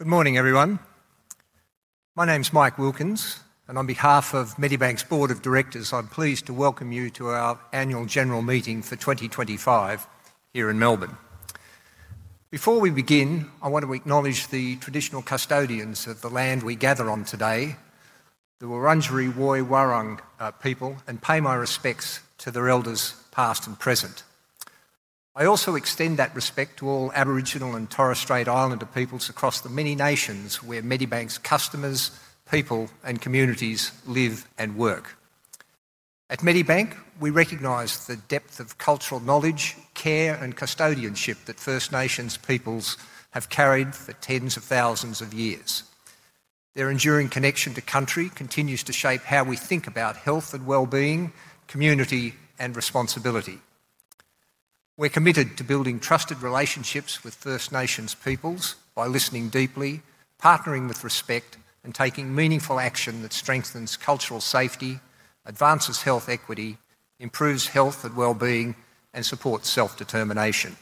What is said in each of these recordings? Good morning, everyone. My name's Mike Wilkins, and on behalf of Medibank's Board of Directors, I'm pleased to welcome you to our annual general meeting for 2025 here in Melbourne. Before we begin, I want to acknowledge the traditional custodians of the land we gather on today, the Wurundjeri Woi Wurrung people, and pay my respects to their elders, past and present. I also extend that respect to all Aboriginal and Torres Strait Islander peoples across the many nations where Medibank's customers, people, and communities live and work. At Medibank, we recognize the depth of cultural knowledge, care, and custodianship that First Nations peoples have carried for tens of thousands of years. Their enduring connection to country continues to shape how we think about health and well-being, community, and responsibility. We're committed to building trusted relationships with First Nations peoples by listening deeply, partnering with respect, and taking meaningful action that strengthens cultural safety, advances health equity, improves health and well-being, and supports self-determination.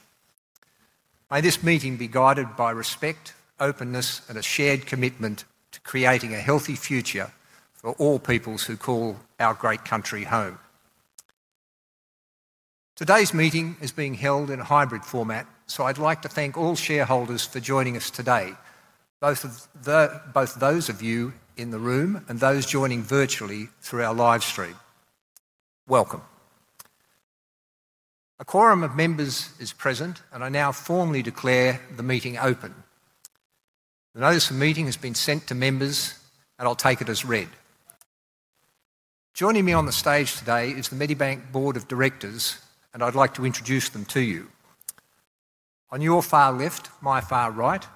May this meeting be guided by respect, openness, and a shared commitment to creating a healthy future for all peoples who call our great country home. Today's meeting is being held in a hybrid format, so I'd like to thank all shareholders for joining us today, both those of you in the room and those joining virtually through our live stream. Welcome. A quorum of members is present, and I now formally declare the meeting open. The notice of meeting has been sent to members, and I'll take it as read. Joining me on the stage today is the Medibank Board of Directors, and I'd like to introduce them to you. On your far left, my far right,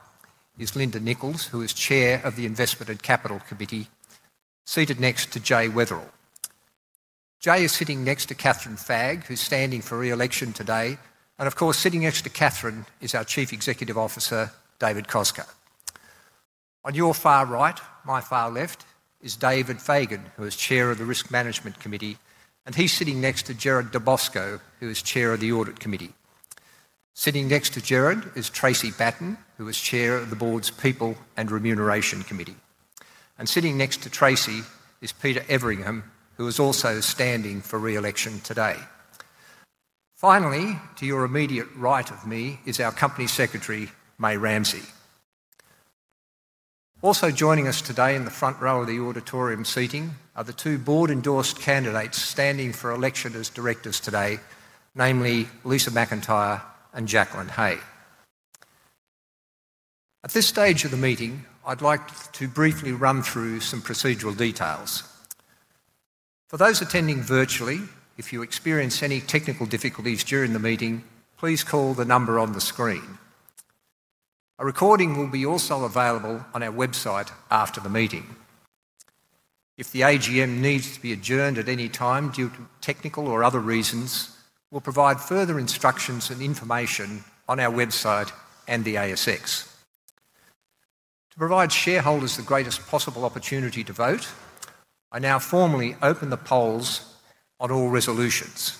is Linda Nichols, who is chair of the Investment and Capital Committee, seated next to Jay Weatherill. Jay is sitting next to Kathryn Fagg, who's standing for re-election today, and of course, sitting next to Kathryn is our Chief Executive Officer, David Koczkar. On your far right, my far left, is David Fagan, who is chair of the Risk Management Committee, and he's sitting next to Gerard Dalbosco, who is chair of the Audit Committee. Sitting next to Gerard is Tracy Batten, who is chair of the Board's People and Remuneration Committee. Sitting next to Tracy is Peter Everingham, who is also standing for re-election today. Finally, to your immediate right of me is our Company Secretary, Mei Ramsay. Also joining us today in the front row of the auditorium seating are the two board-endorsed candidates standing for election as directors today, namely Lisa McIntyre and Jacqueline Hay. At this stage of the meeting, I'd like to briefly run through some procedural details. For those attending virtually, if you experience any technical difficulties during the meeting, please call the number on the screen. A recording will be also available on our website after the meeting. If the AGM needs to be adjourned at any time due to technical or other reasons, we'll provide further instructions and information on our website and the ASX. To provide shareholders the greatest possible opportunity to vote, I now formally open the polls on all resolutions.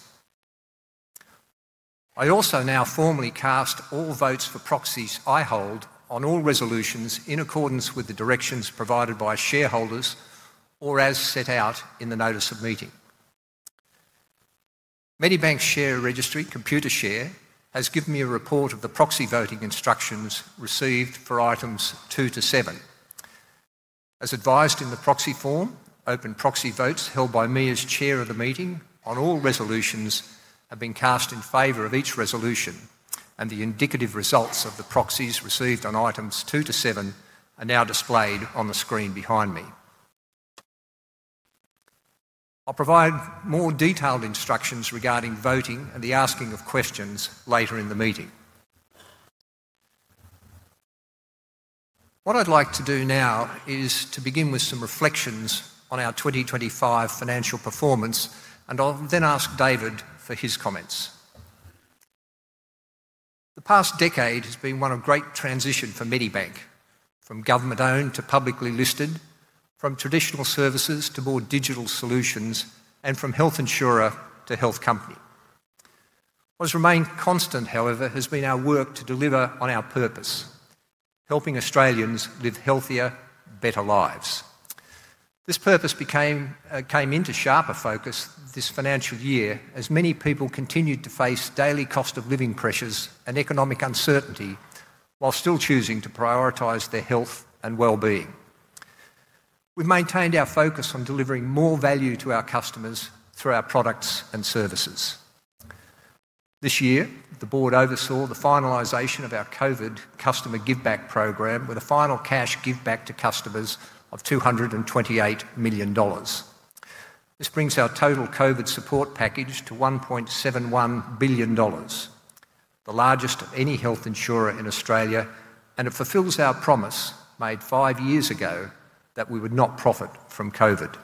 I also now formally cast all votes for proxies I hold on all resolutions in accordance with the directions provided by shareholders or as set out in the notice of meeting. Medibank's share registry, Computershare, has given me a report of the proxy voting instructions received for items two to seven. As advised in the proxy form, open proxy votes held by me as chair of the meeting on all resolutions have been cast in favor of each resolution, and the indicative results of the proxies received on items two to seven are now displayed on the screen behind me. I'll provide more detailed instructions regarding voting and the asking of questions later in the meeting. What I'd like to do now is to begin with some reflections on our 2025 financial performance, and I'll then ask David for his comments. The past decade has been one of great transition for Medibank, from government-owned to publicly listed, from traditional services to more digital solutions, and from health insurer to health company. What has remained constant, however, has been our work to deliver on our purpose: helping Australians live healthier, better lives. This purpose came into sharper focus this financial year as many people continued to face daily cost-of-living pressures and economic uncertainty while still choosing to prioritise their health and well-being. We've maintained our focus on delivering more value to our customers through our products and services. This year, the board oversaw the finalisation of our COVID customer give-back program with a final cash give-back to customers of 228 million dollars. This brings our total COVID support package to 1.71 billion dollars, the largest of any health insurer in Australia, and it fulfills our promise made five years ago that we would not profit from COVID.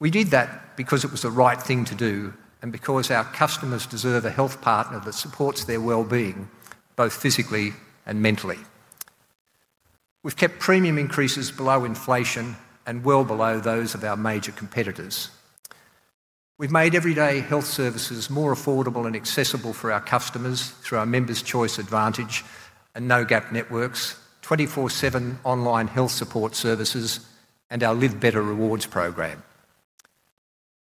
We did that because it was the right thing to do and because our customers deserve a health partner that supports their well-being, both physically and mentally. We've kept premium increases below inflation and well below those of our major competitors. We've made everyday health services more affordable and accessible for our customers through our Members' Choice Advantage and NoGAP networks, 24/7 online health support services, and our Live Better Rewards program.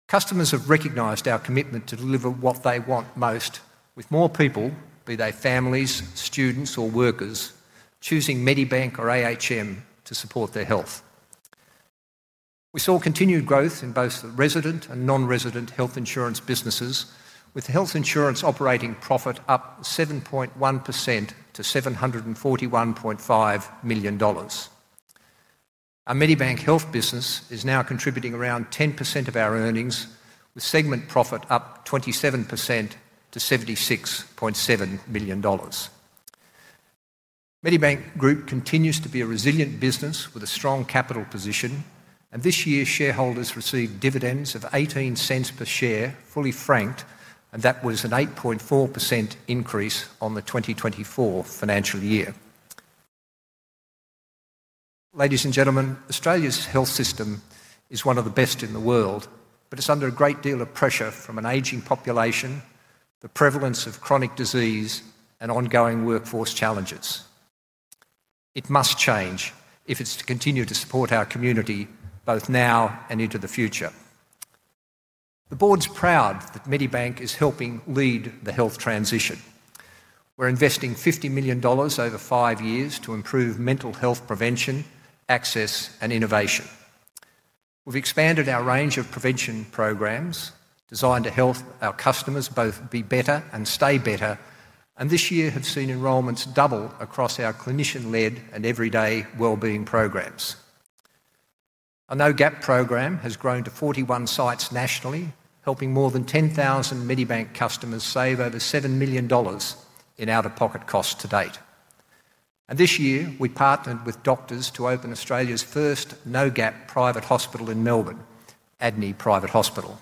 Customers have recognized our commitment to deliver what they want most, with more people, be they families, students, or workers, choosing Medibank or AHM to support their health. We saw continued growth in both the resident and non-resident health insurance businesses, with health insurance operating profit up 7.1% to 741.5 million dollars. Our Medibank Health business is now contributing around 10% of our earnings, with segment profit up 27% to 76.7 million dollars. Medibank Group continues to be a resilient business with a strong capital position, and this year, shareholders received dividends of 0.18 per share, fully franked, and that was an 8.4% increase on the 2024 financial year. Ladies and gentlemen, Australia's health system is one of the best in the world, but it is under a great deal of pressure from an aging population, the prevalence of chronic disease, and ongoing workforce challenges. It must change if it is to continue to support our community both now and into the future. The board is proud that Medibank is helping lead the health transition. We're investing 50 million dollars over five years to improve mental health prevention, access, and innovation. We've expanded our range of prevention programs, designed to help our customers both be better and stay better, and this year have seen enrollments double across our clinician-led and everyday well-being programs. Our NoGAP program has grown to 41 sites nationally, helping more than 10,000 Medibank customers save over 7 million dollars in out-of-pocket costs to date. This year, we partnered with doctors to open Australia's first NoGAP private hospital in Melbourne, Adeney Private Hospital.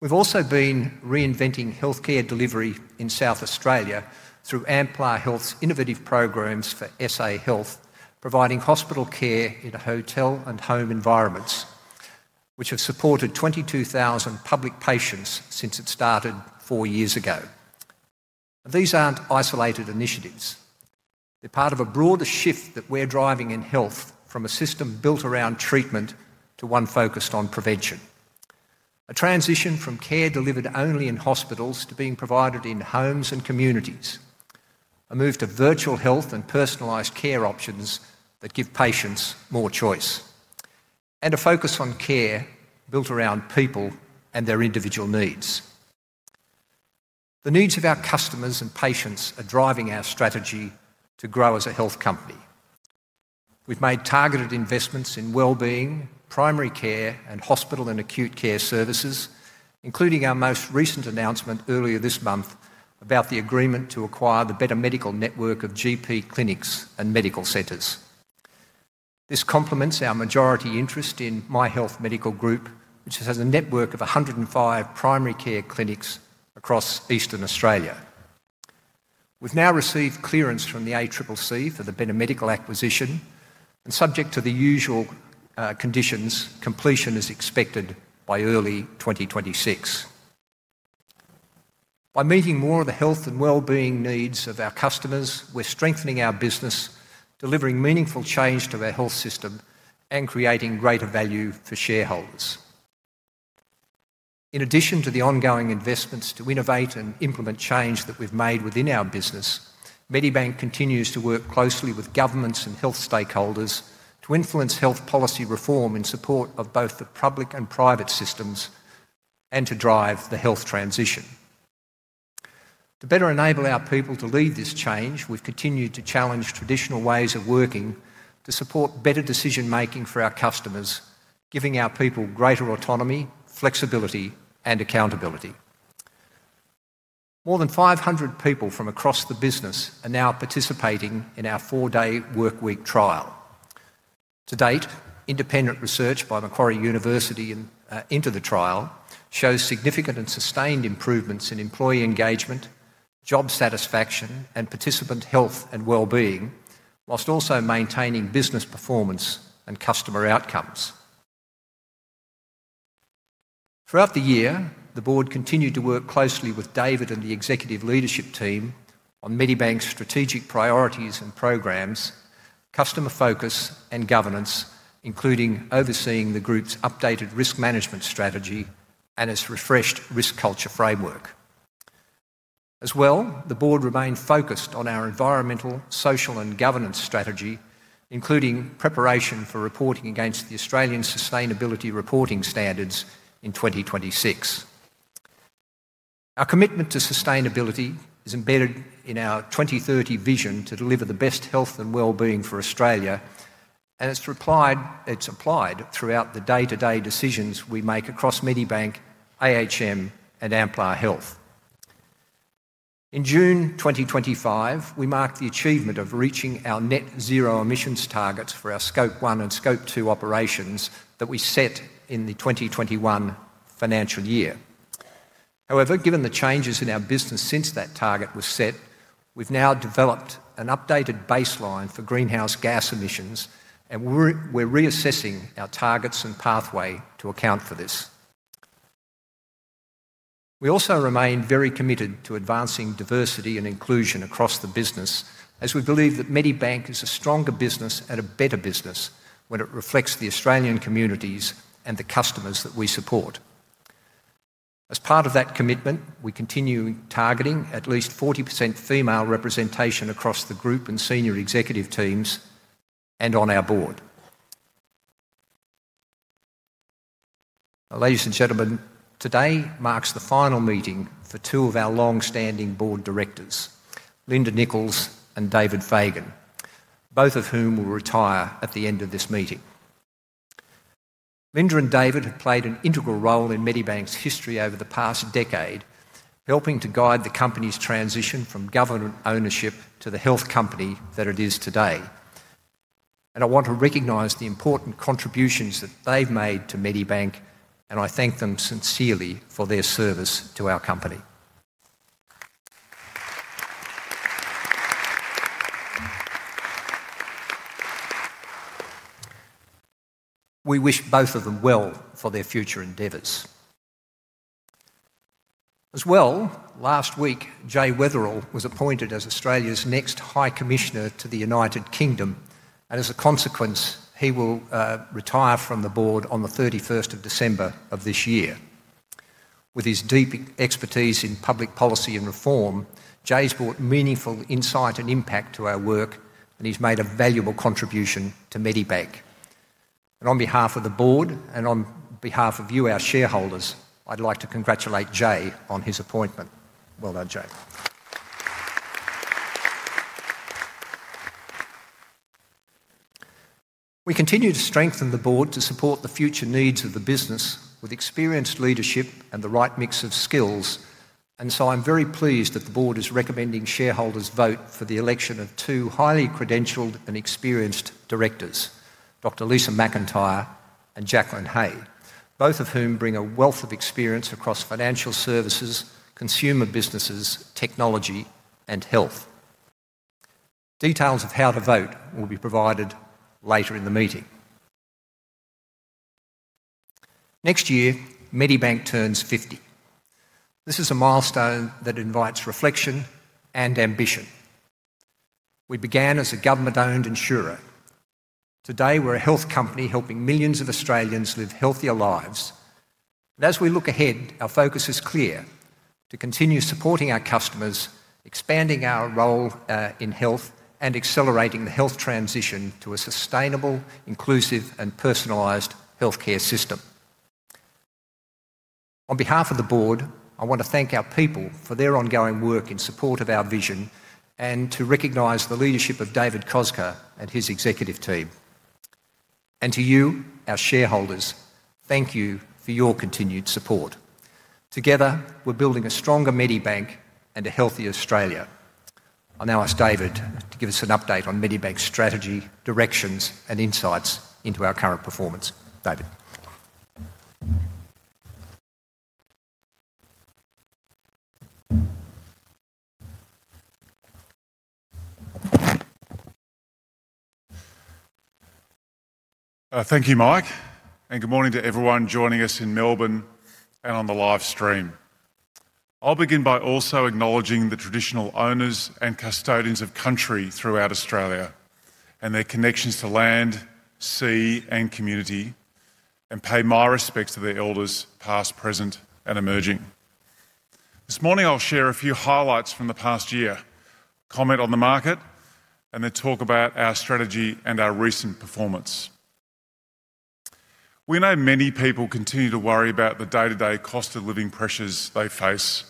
We've also been reinventing healthcare delivery in South Australia through Amplar Health's innovative programs for SA Health, providing hospital care in hotel and home environments, which have supported 22,000 public patients since it started four years ago. These aren't isolated initiatives. They're part of a broader shift that we're driving in health from a system built around treatment to one focused on prevention. A transition from care delivered only in hospitals to being provided in homes and communities, a move to virtual health and personalized care options that give patients more choice, and a focus on care built around people and their individual needs. The needs of our customers and patients are driving our strategy to grow as a health company. We've made targeted investments in well-being, primary care, and hospital and acute care services, including our most recent announcement earlier this month about the agreement to acquire the Better Medical Network of GP clinics and medical centers. This complements our majority interest in Myhealth Medical Group, which has a network of 105 primary care clinics across eastern Australia. have now received clearance from the ACCC for the Better Medical acquisition, and subject to the usual conditions, completion is expected by early 2026. By meeting more of the health and well-being needs of our customers, we are strengthening our business, delivering meaningful change to our health system, and creating greater value for shareholders. In addition to the ongoing investments to innovate and implement change that we have made within our business, Medibank continues to work closely with governments and health stakeholders to influence health policy reform in support of both the public and private systems and to drive the health transition. To better enable our people to lead this change, we have continued to challenge traditional ways of working to support better decision-making for our customers, giving our people greater autonomy, flexibility, and accountability. More than 500 people from across the business are now participating in our four-day workweek trial. To date, independent research by Macquarie University into the trial shows significant and sustained improvements in employee engagement, job satisfaction, and participant health and well-being, whilst also maintaining business performance and customer outcomes. Throughout the year, the board continued to work closely with David and the executive leadership team on Medibank's strategic priorities and programs, customer focus, and governance, including overseeing the group's updated risk management strategy and its refreshed risk culture framework. As well, the board remained focused on our environmental, social, and governance strategy, including preparation for reporting against the Australian Sustainability Reporting Standards in 2026. Our commitment to sustainability is embedded in our 2030 vision to deliver the best health and well-being for Australia, and it's applied throughout the day-to-day decisions we make across Medibank, AHM, and Amplar Health. In June 2025, we marked the achievement of reaching our net zero emissions targets for our Scope 1 and Scope 2 operations that we set in the 2021 financial year. However, given the changes in our business since that target was set, we've now developed an updated baseline for greenhouse gas emissions, and we're reassessing our targets and pathway to account for this. We also remain very committed to advancing diversity and inclusion across the business, as we believe that Medibank is a stronger business and a better business when it reflects the Australian communities and the customers that we support. As part of that commitment, we continue targeting at least 40% female representation across the group and senior executive teams and on our board. Ladies and gentlemen, today marks the final meeting for two of our long-standing board directors, Linda Nichols and David Fagan, both of whom will retire at the end of this meeting. Linda and David have played an integral role in Medibank's history over the past decade, helping to guide the company's transition from government ownership to the health company that it is today. I want to recognize the important contributions that they've made to Medibank, and I thank them sincerely for their service to our company. We wish both of them well for their future endeavors. As well, last week, Jay Weatherill was appointed as Australia's next High Commissioner to the U.K., and as a consequence, he will retire from the board on the 31st of December of this year. With his deep expertise in public policy and reform, Jay's brought meaningful insight and impact to our work, and he's made a valuable contribution to Medibank. On behalf of the board and on behalf of you, our shareholders, I'd like to congratulate Jay on his appointment. Well done, Jay. We continue to strengthen the board to support the future needs of the business with experienced leadership and the right mix of skills, and I am very pleased that the board is recommending shareholders vote for the election of two highly credentialed and experienced directors, Dr. Lisa McIntyre and Jacqueline Hay, both of whom bring a wealth of experience across financial services, consumer businesses, technology, and health. Details of how to vote will be provided later in the meeting. Next year, Medibank turns 50. This is a milestone that invites reflection and ambition. We began as a government-owned insurer. Today, we're a health company helping millions of Australians live healthier lives. As we look ahead, our focus is clear: to continue supporting our customers, expanding our role in health, and accelerating the health transition to a sustainable, inclusive, and personalised healthcare system. On behalf of the board, I want to thank our people for their ongoing work in support of our vision and to recognize the leadership of David Koczkar and his executive team. To you, our shareholders, thank you for your continued support. Together, we're building a stronger Medibank and a healthier Australia. I'll now ask David to give us an update on Medibank's strategy, directions, and insights into our current performance. David. Thank you, Mike, and good morning to everyone joining us in Melbourne and on the live stream. I'll begin by also acknowledging the traditional owners and custodians of country throughout Australia and their connections to land, sea, and community, and pay my respects to their elders past, present, and emerging. This morning, I'll share a few highlights from the past year, comment on the market, and then talk about our strategy and our recent performance. We know many people continue to worry about the day-to-day cost of living pressures they face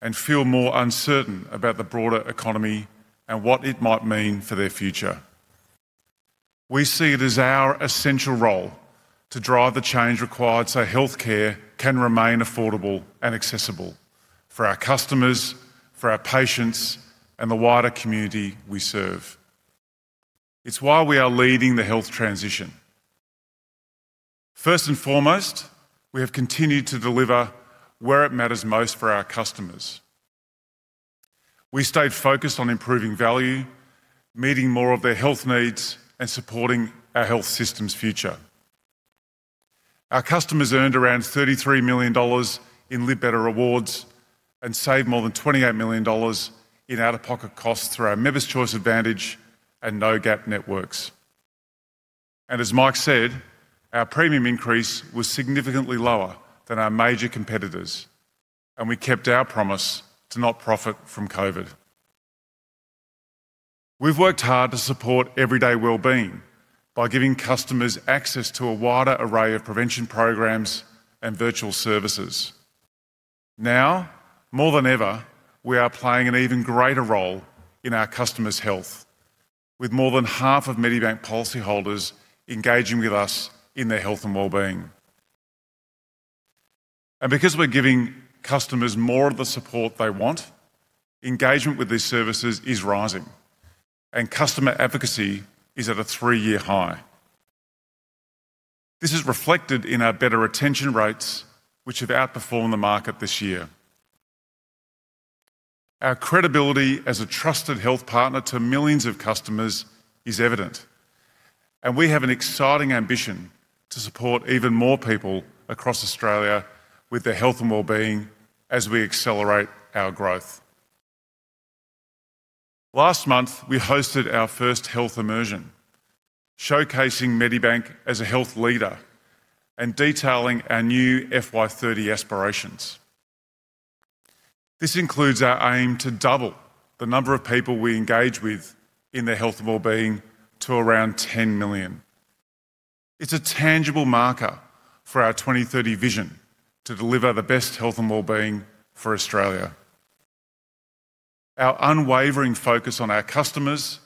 and feel more uncertain about the broader economy and what it might mean for their future. We see it as our essential role to drive the change required so healthcare can remain affordable and accessible for our customers, for our patients, and the wider community we serve. It's why we are leading the health transition. First and foremost, we have continued to deliver where it matters most for our customers. We stayed focused on improving value, meeting more of their health needs, and supporting our health system's future. Our customers earned around 33 million dollars in Live Better Rewards and saved more than 28 million dollars in out-of-pocket costs through our Members' Choice Advantage and NoGAP networks. As Mike said, our premium increase was significantly lower than our major competitors, and we kept our promise to not profit from COVID. We've worked hard to support everyday well-being by giving customers access to a wider array of prevention programs and virtual services. Now, more than ever, we are playing an even greater role in our customers' health, with more than half of Medibank policyholders engaging with us in their health and well-being. Because we're giving customers more of the support they want, engagement with these services is rising, and customer advocacy is at a three-year high. This is reflected in our better retention rates, which have outperformed the market this year. Our credibility as a trusted health partner to millions of customers is evident, and we have an exciting ambition to support even more people across Australia with their health and well-being as we accelerate our growth. Last month, we hosted our first Health Immersion, showcasing Medibank as a health leader and detailing our new FY30 aspirations. This includes our aim to double the number of people we engage with in their health and well-being to around 10 million. It is a tangible marker for our 2030 vision to deliver the best health and well-being for Australia. Our unwavering focus on our customers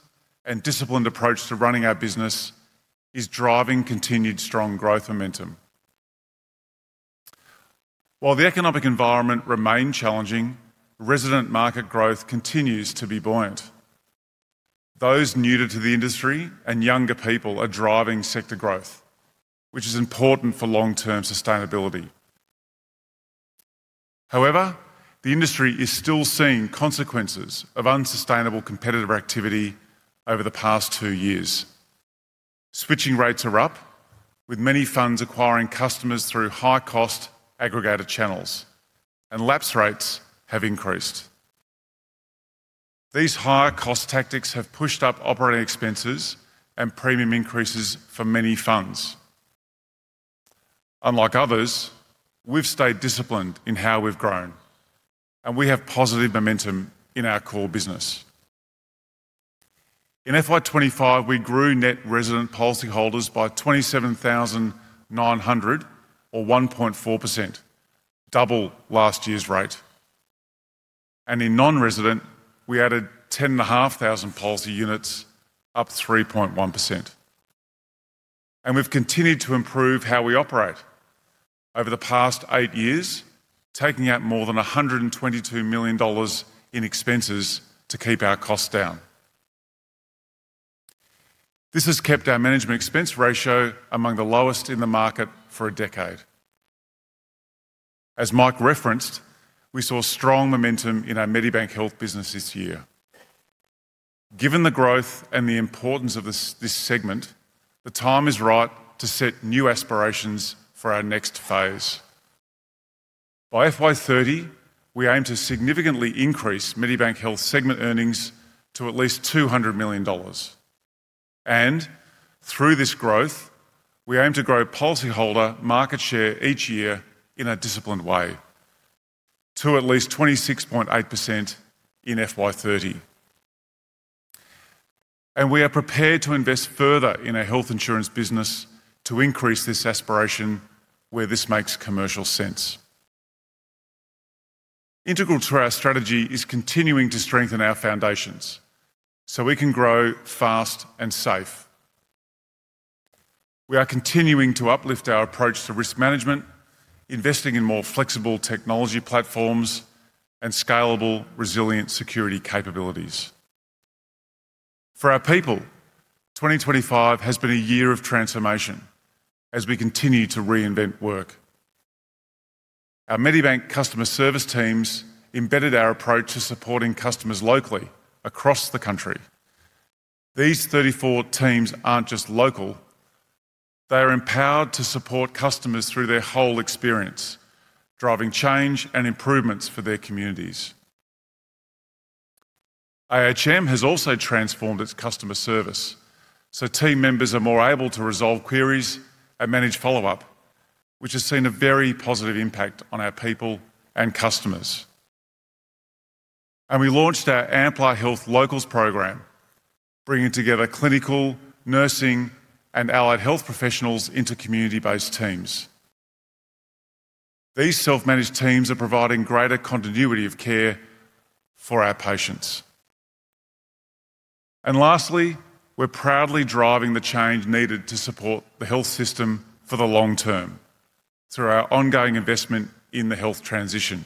and disciplined approach to running our business is driving continued strong growth momentum. While the economic environment remains challenging, resident market growth continues to be buoyant. Those new to the industry and younger people are driving sector growth, which is important for long-term sustainability. However, the industry is still seeing consequences of unsustainable competitive activity over the past two years. Switching rates are up, with many funds acquiring customers through high-cost aggregator channels, and lapse rates have increased. These higher-cost tactics have pushed up operating expenses and premium increases for many funds. Unlike others, we have stayed disciplined in how we have grown, and we have positive momentum in our core business. In FY25, we grew net resident policyholders by 27,900, or 1.4%, double last year's rate. In non-resident, we added 10,500 policy units, up 3.1%. We have continued to improve how we operate over the past eight years, taking out more than 122 million dollars in expenses to keep our costs down. This has kept our management expense ratio among the lowest in the market for a decade. As Mike referenced, we saw strong momentum in our Medibank Health business this year. Given the growth and the importance of this segment, the time is right to set new aspirations for our next phase. By FY2030, we aim to significantly increase Medibank Health segment earnings to at least 200 million dollars. Through this growth, we aim to grow policyholder market share each year in a disciplined way, to at least 26.8% in FY2030. We are prepared to invest further in our health insurance business to increase this aspiration where this makes commercial sense. Integral to our strategy is continuing to strengthen our foundations so we can grow fast and safe. We are continuing to uplift our approach to risk management, investing in more flexible technology platforms and scalable, resilient security capabilities. For our people, 2025 has been a year of transformation as we continue to reinvent work. Our Medibank customer service teams embedded our approach to supporting customers locally across the country. These 34 teams are not just local; they are empowered to support customers through their whole experience, driving change and improvements for their communities. AHM has also transformed its customer service, so team members are more able to resolve queries and manage follow-up, which has seen a very positive impact on our people and customers. We launched our Amplar Health Locals Program, bringing together clinical, nursing, and allied health professionals into community-based teams. These self-managed teams are providing greater continuity of care for our patients. Lastly, we are proudly driving the change needed to support the health system for the long term through our ongoing investment in the health transition.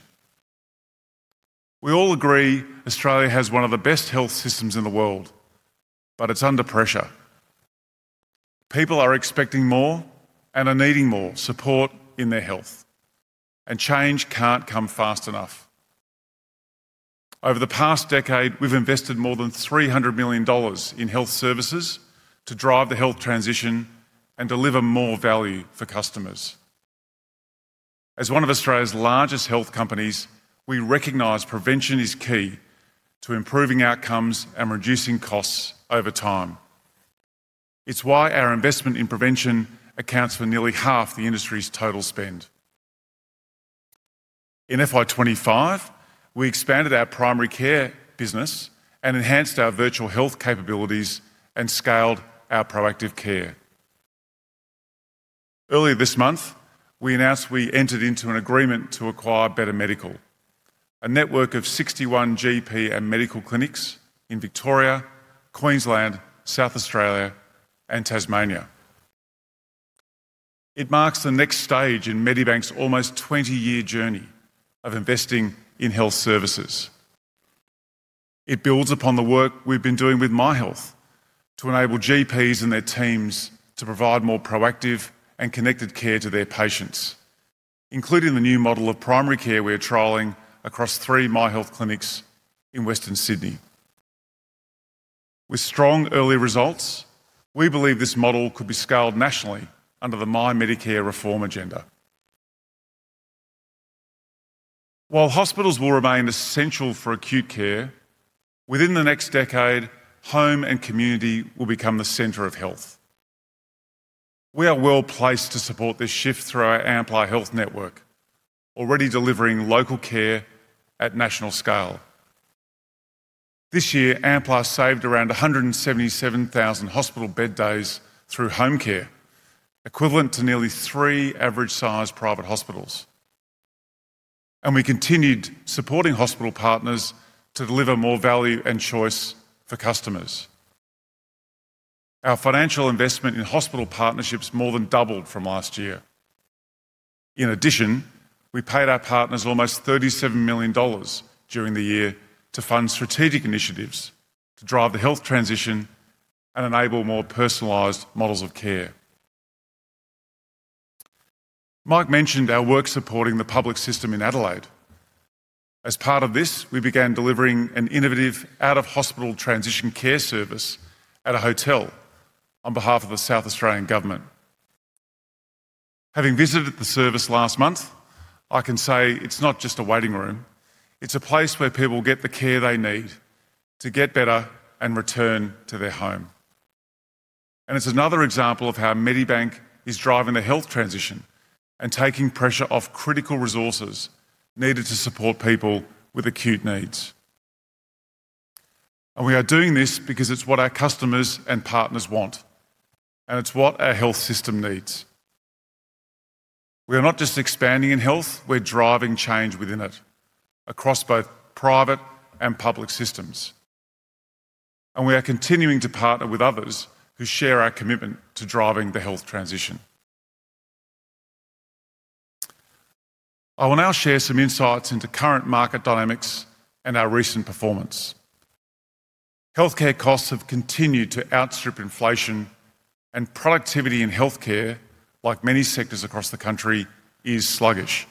We all agree Australia has one of the best health systems in the world, but it's under pressure. People are expecting more and are needing more support in their health, and change can't come fast enough. Over the past decade, we've invested more than 300 million dollars in health services to drive the health transition and deliver more value for customers. As one of Australia's largest health companies, we recognize prevention is key to improving outcomes and reducing costs over time. It's why our investment in prevention accounts for nearly half the industry's total spend. In FY25, we expanded our primary care business and enhanced our virtual health capabilities and scaled our proactive care. Earlier this month, we announced we entered into an agreement to acquire Better Medical, a network of 61 GP and medical clinics in Victoria, Queensland, South Australia, and Tasmania. It marks the next stage in Medibank's almost 20-year journey of investing in health services. It builds upon the work we've been doing with Myhealth to enable GPs and their teams to provide more proactive and connected care to their patients, including the new model of primary care we're trialing across three Myhealth clinics in Western Sydney. With strong early results, we believe this model could be scaled nationally under the My Medicare reform agenda. While hospitals will remain essential for acute care, within the next decade, home and community will become the center of health. We are well placed to support this shift through our Amplar Health network, already delivering local care at national scale. This year, Amplar saved around 177,000 hospital bed days through home care, equivalent to nearly three average-sized private hospitals. We continued supporting hospital partners to deliver more value and choice for customers. Our financial investment in hospital partnerships more than doubled from last year. In addition, we paid our partners almost 37 million dollars during the year to fund strategic initiatives to drive the health transition and enable more personalized models of care. Mike mentioned our work supporting the public system in Adelaide. As part of this, we began delivering an innovative out-of-hospital transition care service at a hotel on behalf of the South Australian Government. Having visited the service last month, I can say it's not just a waiting room. It's a place where people get the care they need to get better and return to their home. It is another example of how Medibank is driving the health transition and taking pressure off critical resources needed to support people with acute needs. We are doing this because it's what our customers and partners want, and it's what our health system needs. We are not just expanding in health; we are driving change within it across both private and public systems. We are continuing to partner with others who share our commitment to driving the health transition. I will now share some insights into current market dynamics and our recent performance. Healthcare costs have continued to outstrip inflation, and productivity in healthcare, like many sectors across the country, is sluggish,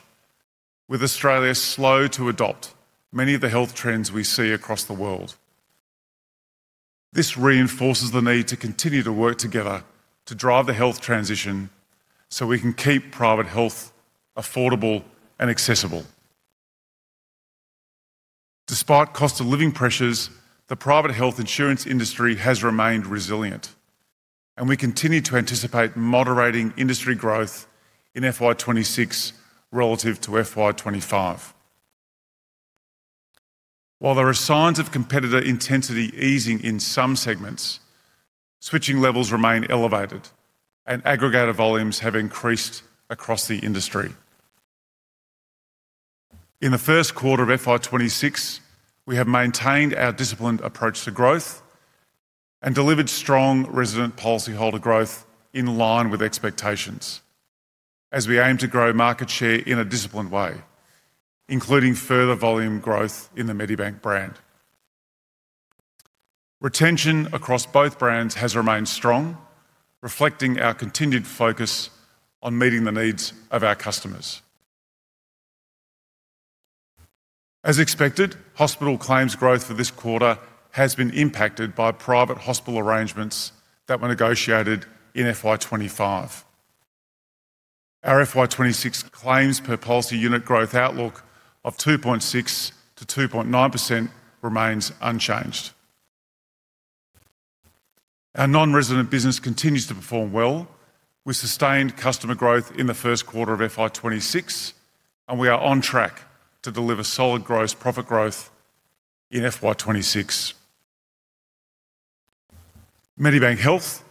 with Australia slow to adopt many of the health trends we see across the world. This reinforces the need to continue to work together to drive the health transition so we can keep private health affordable and accessible. Despite cost of living pressures, the private health insurance industry has remained resilient, and we continue to anticipate moderating industry growth in FY26 relative to FY25. While there are signs of competitor intensity easing in some segments, switching levels remain elevated, and aggregator volumes have increased across the industry. In the first quarter of FY26, we have maintained our disciplined approach to growth and delivered strong resident policyholder growth in line with expectations, as we aim to grow market share in a disciplined way, including further volume growth in the Medibank brand. Retention across both brands has remained strong, reflecting our continued focus on meeting the needs of our customers. As expected, hospital claims growth for this quarter has been impacted by private hospital arrangements that were negotiated in FY25. Our FY26 claims per policy unit growth outlook of 2.6%-2.9% remains unchanged. Our non-resident business continues to perform well. We sustained customer growth in the first quarter of FY26, and we are on track to deliver solid gross profit growth in FY26. Medibank Health,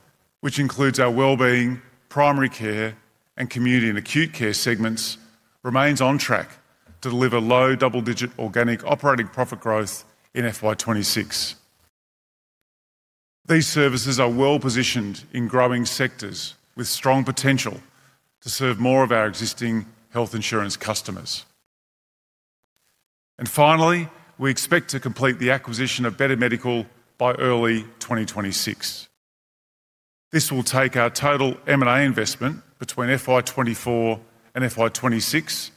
which includes our well-being, primary care, and community and acute care segments, remains on track to deliver low double-digit organic operating profit growth in FY26. These services are well positioned in growing sectors with strong potential to serve more of our existing health insurance customers. Finally, we expect to complete the acquisition of Better Medical by early 2026. This will take our total M&A investment between FY24 and FY26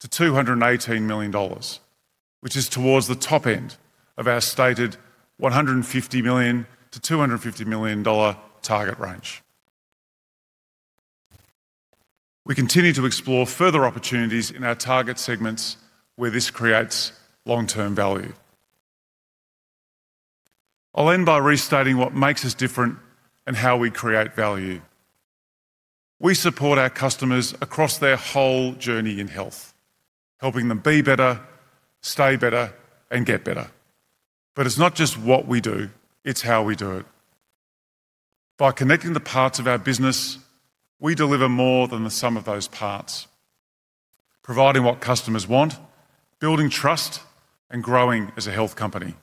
to [219 million dollars], which is towards the top end of our stated 150 million-250 million dollar target range. We continue to explore further opportunities in our target segments where this creates long-term value. I'll end by restating what makes us different and how we create value. We support our customers across their whole journey in health, helping them be better, stay better, and get better. It is not just what we do; it is how we do it. By connecting the parts of our business, we deliver more than the sum of those parts, providing what customers want, building trust, and growing as a health company.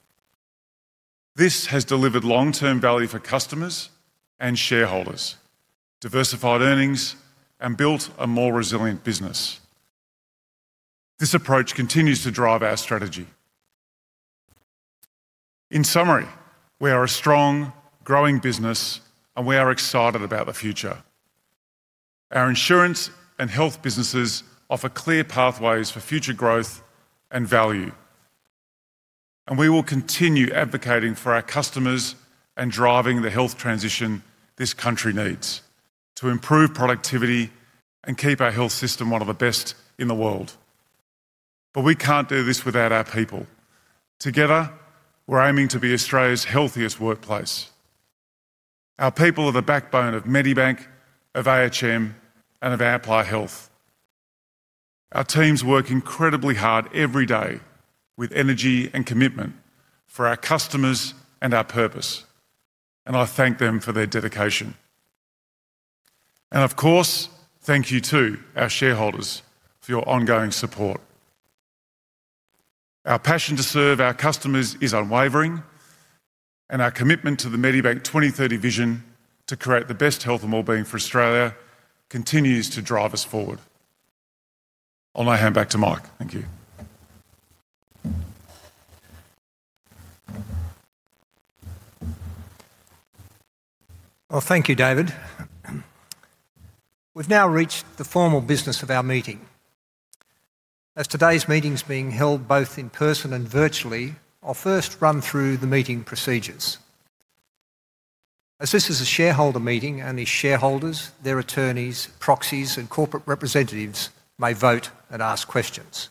This has delivered long-term value for customers and shareholders, diversified earnings, and built a more resilient business. This approach continues to drive our strategy. In summary, we are a strong, growing business, and we are excited about the future. Our insurance and health businesses offer clear pathways for future growth and value. We will continue advocating for our customers and driving the health transition this country needs to improve productivity and keep our health system one of the best in the world. We cannot do this without our people. Together, we're aiming to be Australia's healthiest workplace. Our people are the backbone of Medibank, of AHM, and of Amplar Health. Our teams work incredibly hard every day with energy and commitment for our customers and our purpose, and I thank them for their dedication. Of course, thank you to our shareholders for your ongoing support. Our passion to serve our customers is unwavering, and our commitment to the Medibank 2030 vision to create the best health and well-being for Australia continues to drive us forward. I'll now hand back to Mike. Thank you. Thank you, David. We have now reached the formal business of our meeting. As today's meeting is being held both in person and virtually, I will first run through the meeting procedures. As this is a shareholder meeting, only shareholders, their attorneys, proxies, and corporate representatives may vote and ask questions.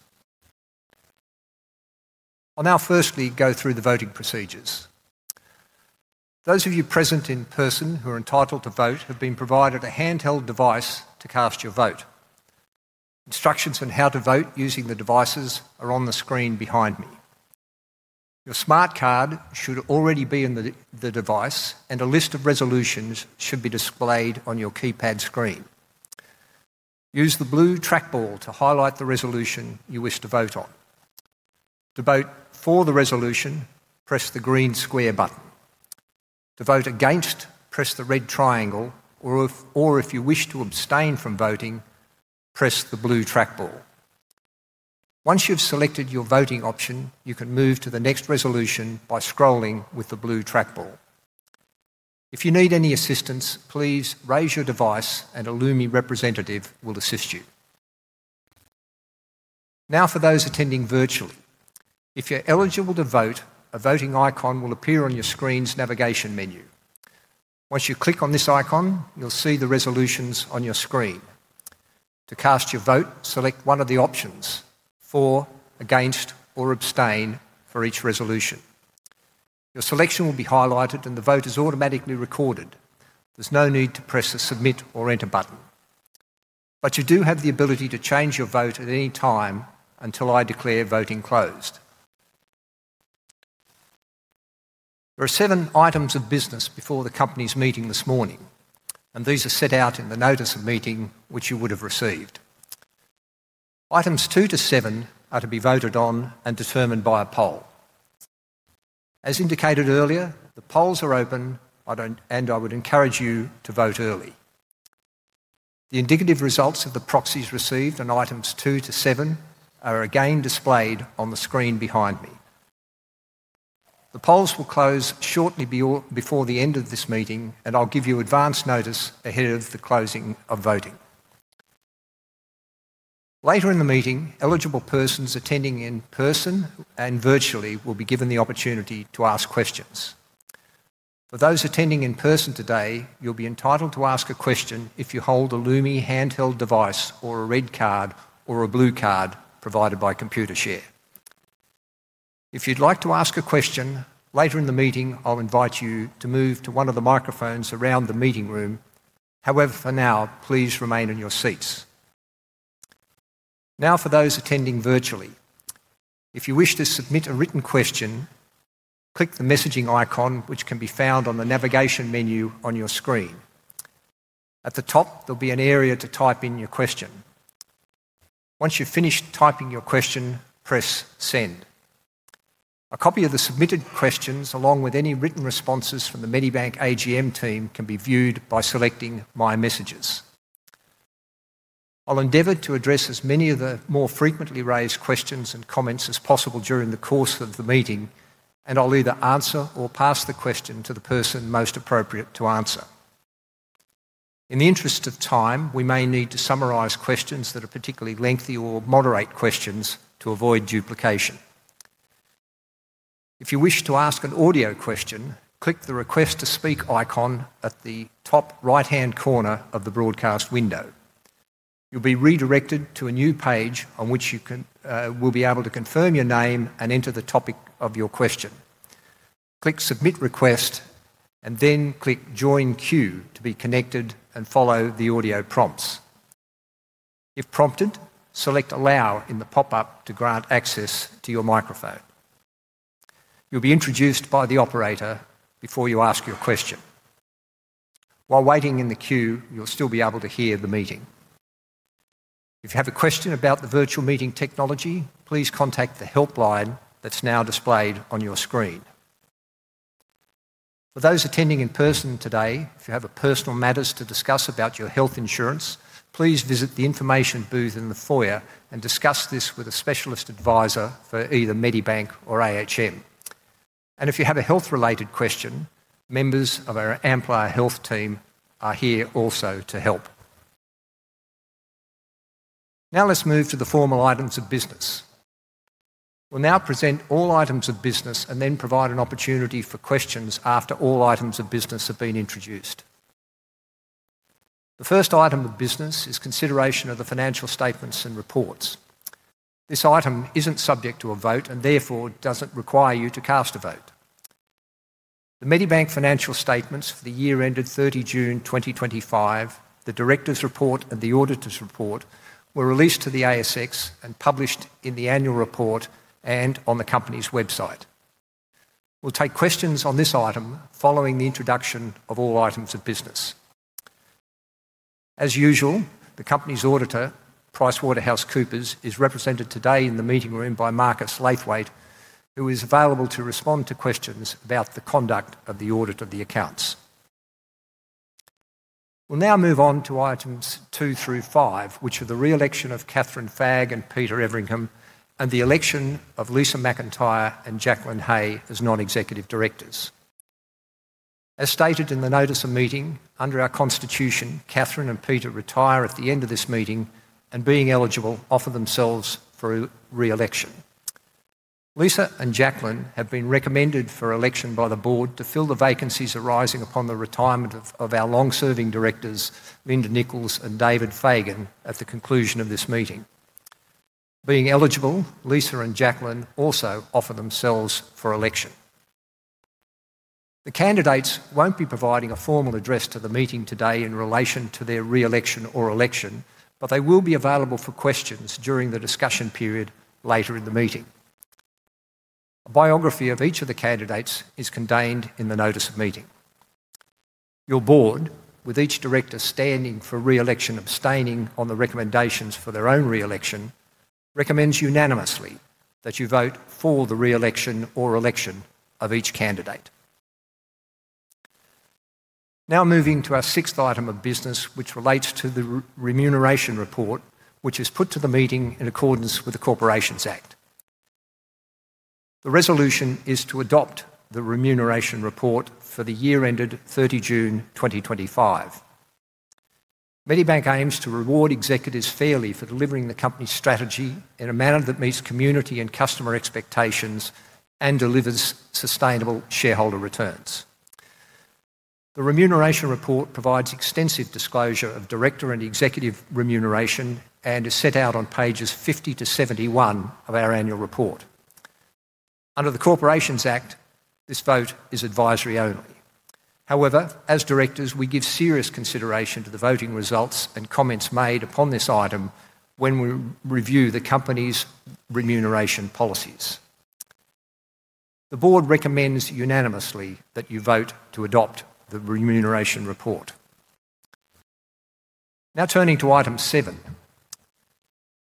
I will now firstly go through the voting procedures. Those of you present in person who are entitled to vote have been provided a handheld device to cast your vote. Instructions on how to vote using the devices are on the screen behind me. Your smart card should already be in the device, and a list of resolutions should be displayed on your keypad screen. Use the blue trackball to highlight the resolution you wish to vote on. To vote for the resolution, press the green square button. To vote against, press the red triangle, or if you wish to abstain from voting, press the blue trackball. Once you've selected your voting option, you can move to the next resolution by scrolling with the blue trackball. If you need any assistance, please raise your device, and a Lumi representative will assist you. Now, for those attending virtually, if you're eligible to vote, a voting icon will appear on your screen's navigation menu. Once you click on this icon, you'll see the resolutions on your screen. To cast your vote, select one of the options: for, against, or abstain for each resolution. Your selection will be highlighted, and the vote is automatically recorded. There is no need to press the submit or enter button. You do have the ability to change your vote at any time until I declare voting closed. There are seven items of business before the company's meeting this morning, and these are set out in the notice of meeting, which you would have received. Items two to seven are to be voted on and determined by a poll. As indicated earlier, the polls are open, and I would encourage you to vote early. The indicative results of the proxies received on items two to seven are again displayed on the screen behind me. The polls will close shortly before the end of this meeting, and I'll give you advance notice ahead of the closing of voting. Later in the meeting, eligible persons attending in person and virtually will be given the opportunity to ask questions. For those attending in person today, you'll be entitled to ask a question if you hold a Lumi handheld device or a red card or a blue card provided by Computershare. If you'd like to ask a question later in the meeting, I'll invite you to move to one of the microphones around the meeting room. However, for now, please remain in your seats. Now, for those attending virtually, if you wish to submit a written question, click the messaging icon, which can be found on the navigation menu on your screen. At the top, there'll be an area to type in your question. Once you've finished typing your question, press send. A copy of the submitted questions, along with any written responses from the Medibank AGM team, can be viewed by selecting my messages. I'll endeavor to address as many of the more frequently raised questions and comments as possible during the course of the meeting, and I'll either answer or pass the question to the person most appropriate to answer. In the interest of time, we may need to summarize questions that are particularly lengthy or moderate questions to avoid duplication. If you wish to ask an audio question, click the request to speak icon at the top right-hand corner of the broadcast window. You will be redirected to a new page on which you will be able to confirm your name and enter the topic of your question. Click submit request, and then click join queue to be connected and follow the audio prompts. If prompted, select allow in the pop-up to grant access to your microphone. You will be introduced by the operator before you ask your question. While waiting in the queue, you will still be able to hear the meeting. If you have a question about the virtual meeting technology, please contact the helpline that is now displayed on your screen. For those attending in person today, if you have a personal matter to discuss about your health insurance, please visit the information booth in the foyer and discuss this with a specialist advisor for either Medibank or AHM. If you have a health-related question, members of our Amplar Health team are here also to help. Now, let's move to the formal items of business. We will now present all items of business and then provide an opportunity for questions after all items of business have been introduced. The first item of business is consideration of the financial statements and reports. This item is not subject to a vote and therefore does not require you to cast a vote. The Medibank financial statements for the year ended 30th June 2025, the director's report, and the auditor's report were released to the ASX and published in the annual report and on the company's website. We'll take questions on this item following the introduction of all items of business. As usual, the company's auditor, PricewaterhouseCoopers, is represented today in the meeting room by Marcus Lathwaite, who is available to respond to questions about the conduct of the audit of the accounts. We'll now move on to items two through five, which are the re-election of Kathryn Fagg and Peter Everingham, and the election of Lisa McIntyre and Jacqueline Hay as non-executive directors. As stated in the notice of meeting, under our constitution, Kathryn and Peter retire at the end of this meeting and, being eligible, offer themselves for re-election. Lisa and Jacqueline have been recommended for election by the board to fill the vacancies arising upon the retirement of our long-serving directors, Linda Nichols and David Fagan, at the conclusion of this meeting. Being eligible, Lisa and Jacqueline also offer themselves for election. The candidates won't be providing a formal address to the meeting today in relation to their re-election or election, but they will be available for questions during the discussion period later in the meeting. A biography of each of the candidates is contained in the notice of meeting. Your board, with each director standing for re-election abstaining on the recommendations for their own re-election, recommends unanimously that you vote for the re-election or election of each candidate. Now, moving to our sixth item of business, which relates to the remuneration report, which is put to the meeting in accordance with the Corporations Act. The resolution is to adopt the remuneration report for the year ended 30th June 2025. Medibank aims to reward executives fairly for delivering the company's strategy in a manner that meets community and customer expectations and delivers sustainable shareholder returns. The remuneration report provides extensive disclosure of director and executive remuneration and is set out on pages 50 to 71 of our annual report. Under the Corporations Act, this vote is advisory only. However, as directors, we give serious consideration to the voting results and comments made upon this item when we review the company's remuneration policies. The board recommends unanimously that you vote to adopt the remuneration report. Now, turning to item seven,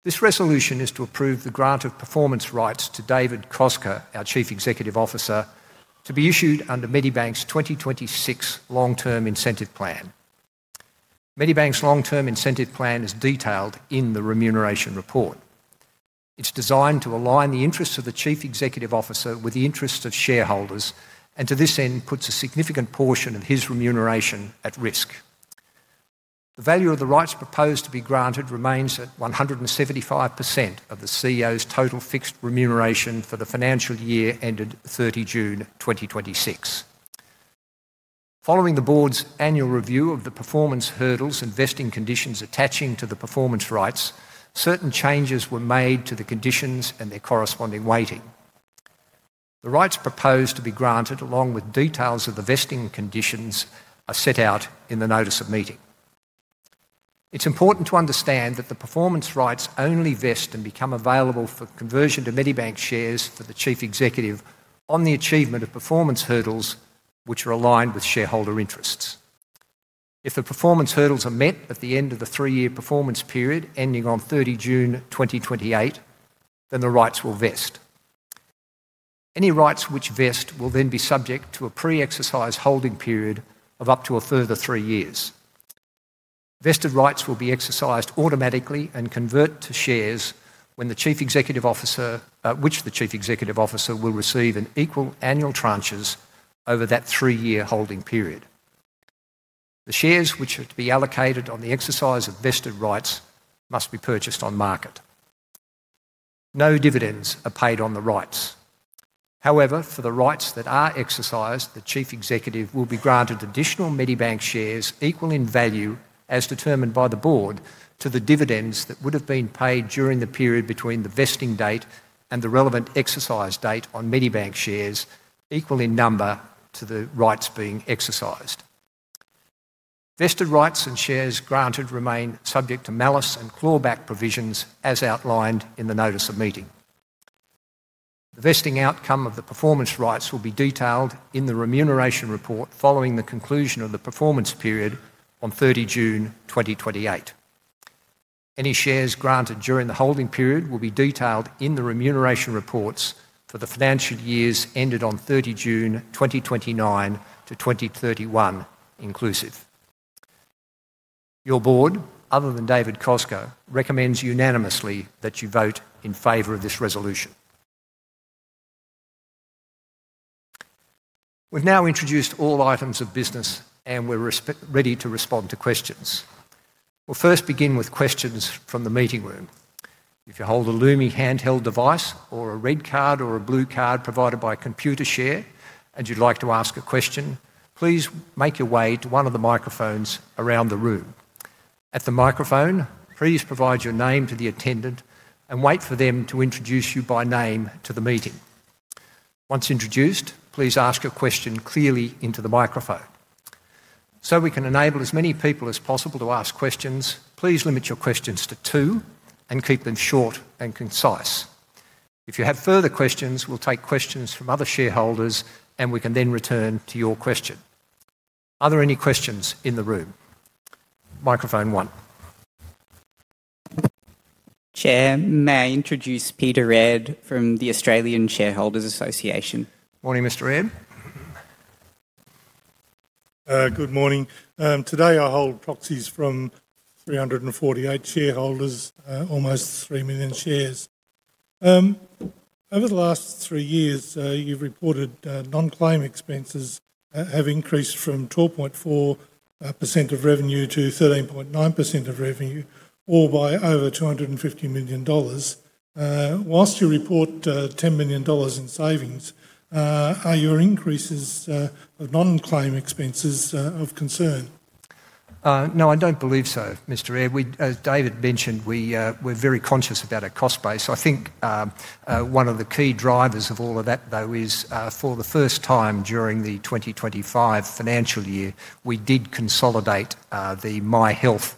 this resolution is to approve the grant of performance rights to David Koczkar, our Chief Executive Officer, to be issued under Medibank's 2026 long-term incentive plan. Medibank's long-term incentive plan is detailed in the remuneration report. It's designed to align the interests of the Chief Executive Officer with the interests of shareholders and, to this end, puts a significant portion of his remuneration at risk. The value of the rights proposed to be granted remains at 175% of the CEO's total fixed remuneration for the financial year ended 30th June 2026. Following the board's annual review of the performance hurdles and vesting conditions attaching to the performance rights, certain changes were made to the conditions and their corresponding weighting. The rights proposed to be granted, along with details of the vesting conditions, are set out in the notice of meeting. It's important to understand that the performance rights only vest and become available for conversion to Medibank shares for the chief executive on the achievement of performance hurdles which are aligned with shareholder interests. If the performance hurdles are met at the end of the three-year performance period ending on 30th June 2028, then the rights will vest. Any rights which vest will then be subject to a pre-exercise holding period of up to a further three years. Vested rights will be exercised automatically and convert to shares which the Chief Executive Officer will receive in equal annual tranches over that three-year holding period. The shares which are to be allocated on the exercise of vested rights must be purchased on market. No dividends are paid on the rights. However, for the rights that are exercised, the Chief Executive will be granted additional Medibank shares equal in value, as determined by the board, to the dividends that would have been paid during the period between the vesting date and the relevant exercise date on Medibank shares, equal in number to the rights being exercised. Vested rights and shares granted remain subject to malice and clawback provisions, as outlined in the notice of meeting. The vesting outcome of the performance rights will be detailed in the remuneration report following the conclusion of the performance period on 30th June 2028. Any shares granted during the holding period will be detailed in the remuneration reports for the financial years ended on 30th June 2029 to 2031 inclusive. Your Board, other than David Koczkar, recommends unanimously that you vote in favor of this resolution. We've now introduced all items of business, and we're ready to respond to questions. We'll first begin with questions from the meeting room. If you hold a Lumi handheld device or a red card or a blue card provided by Computershare and you'd like to ask a question, please make your way to one of the microphones around the room. At the microphone, please provide your name to the attendant and wait for them to introduce you by name to the meeting. Once introduced, please ask a question clearly into the microphone. So we can enable as many people as possible to ask questions, please limit your questions to two and keep them short and concise. If you have further questions, we'll take questions from other shareholders, and we can then return to your question. Are there any questions in the room? Microphone one. Chair, may I introduce Peter Redd from the Australian Shareholders Association? Morning, Mr. Redd. Good morning. Today, I hold proxies from 348 shareholders, almost 3 million shares. Over the last three years, you've reported non-claim expenses have increased from 12.4% of revenue to 13.9% of revenue, all by over 250 million dollars. Whilst you report 10 million dollars in savings, are your increases of non-claim expenses of concern? No, I don't believe so, Mr. Redd. As David mentioned, we're very conscious about our cost base. I think one of the key drivers of all of that, though, is for the first time during the 2025 financial year, we did consolidate the Myhealth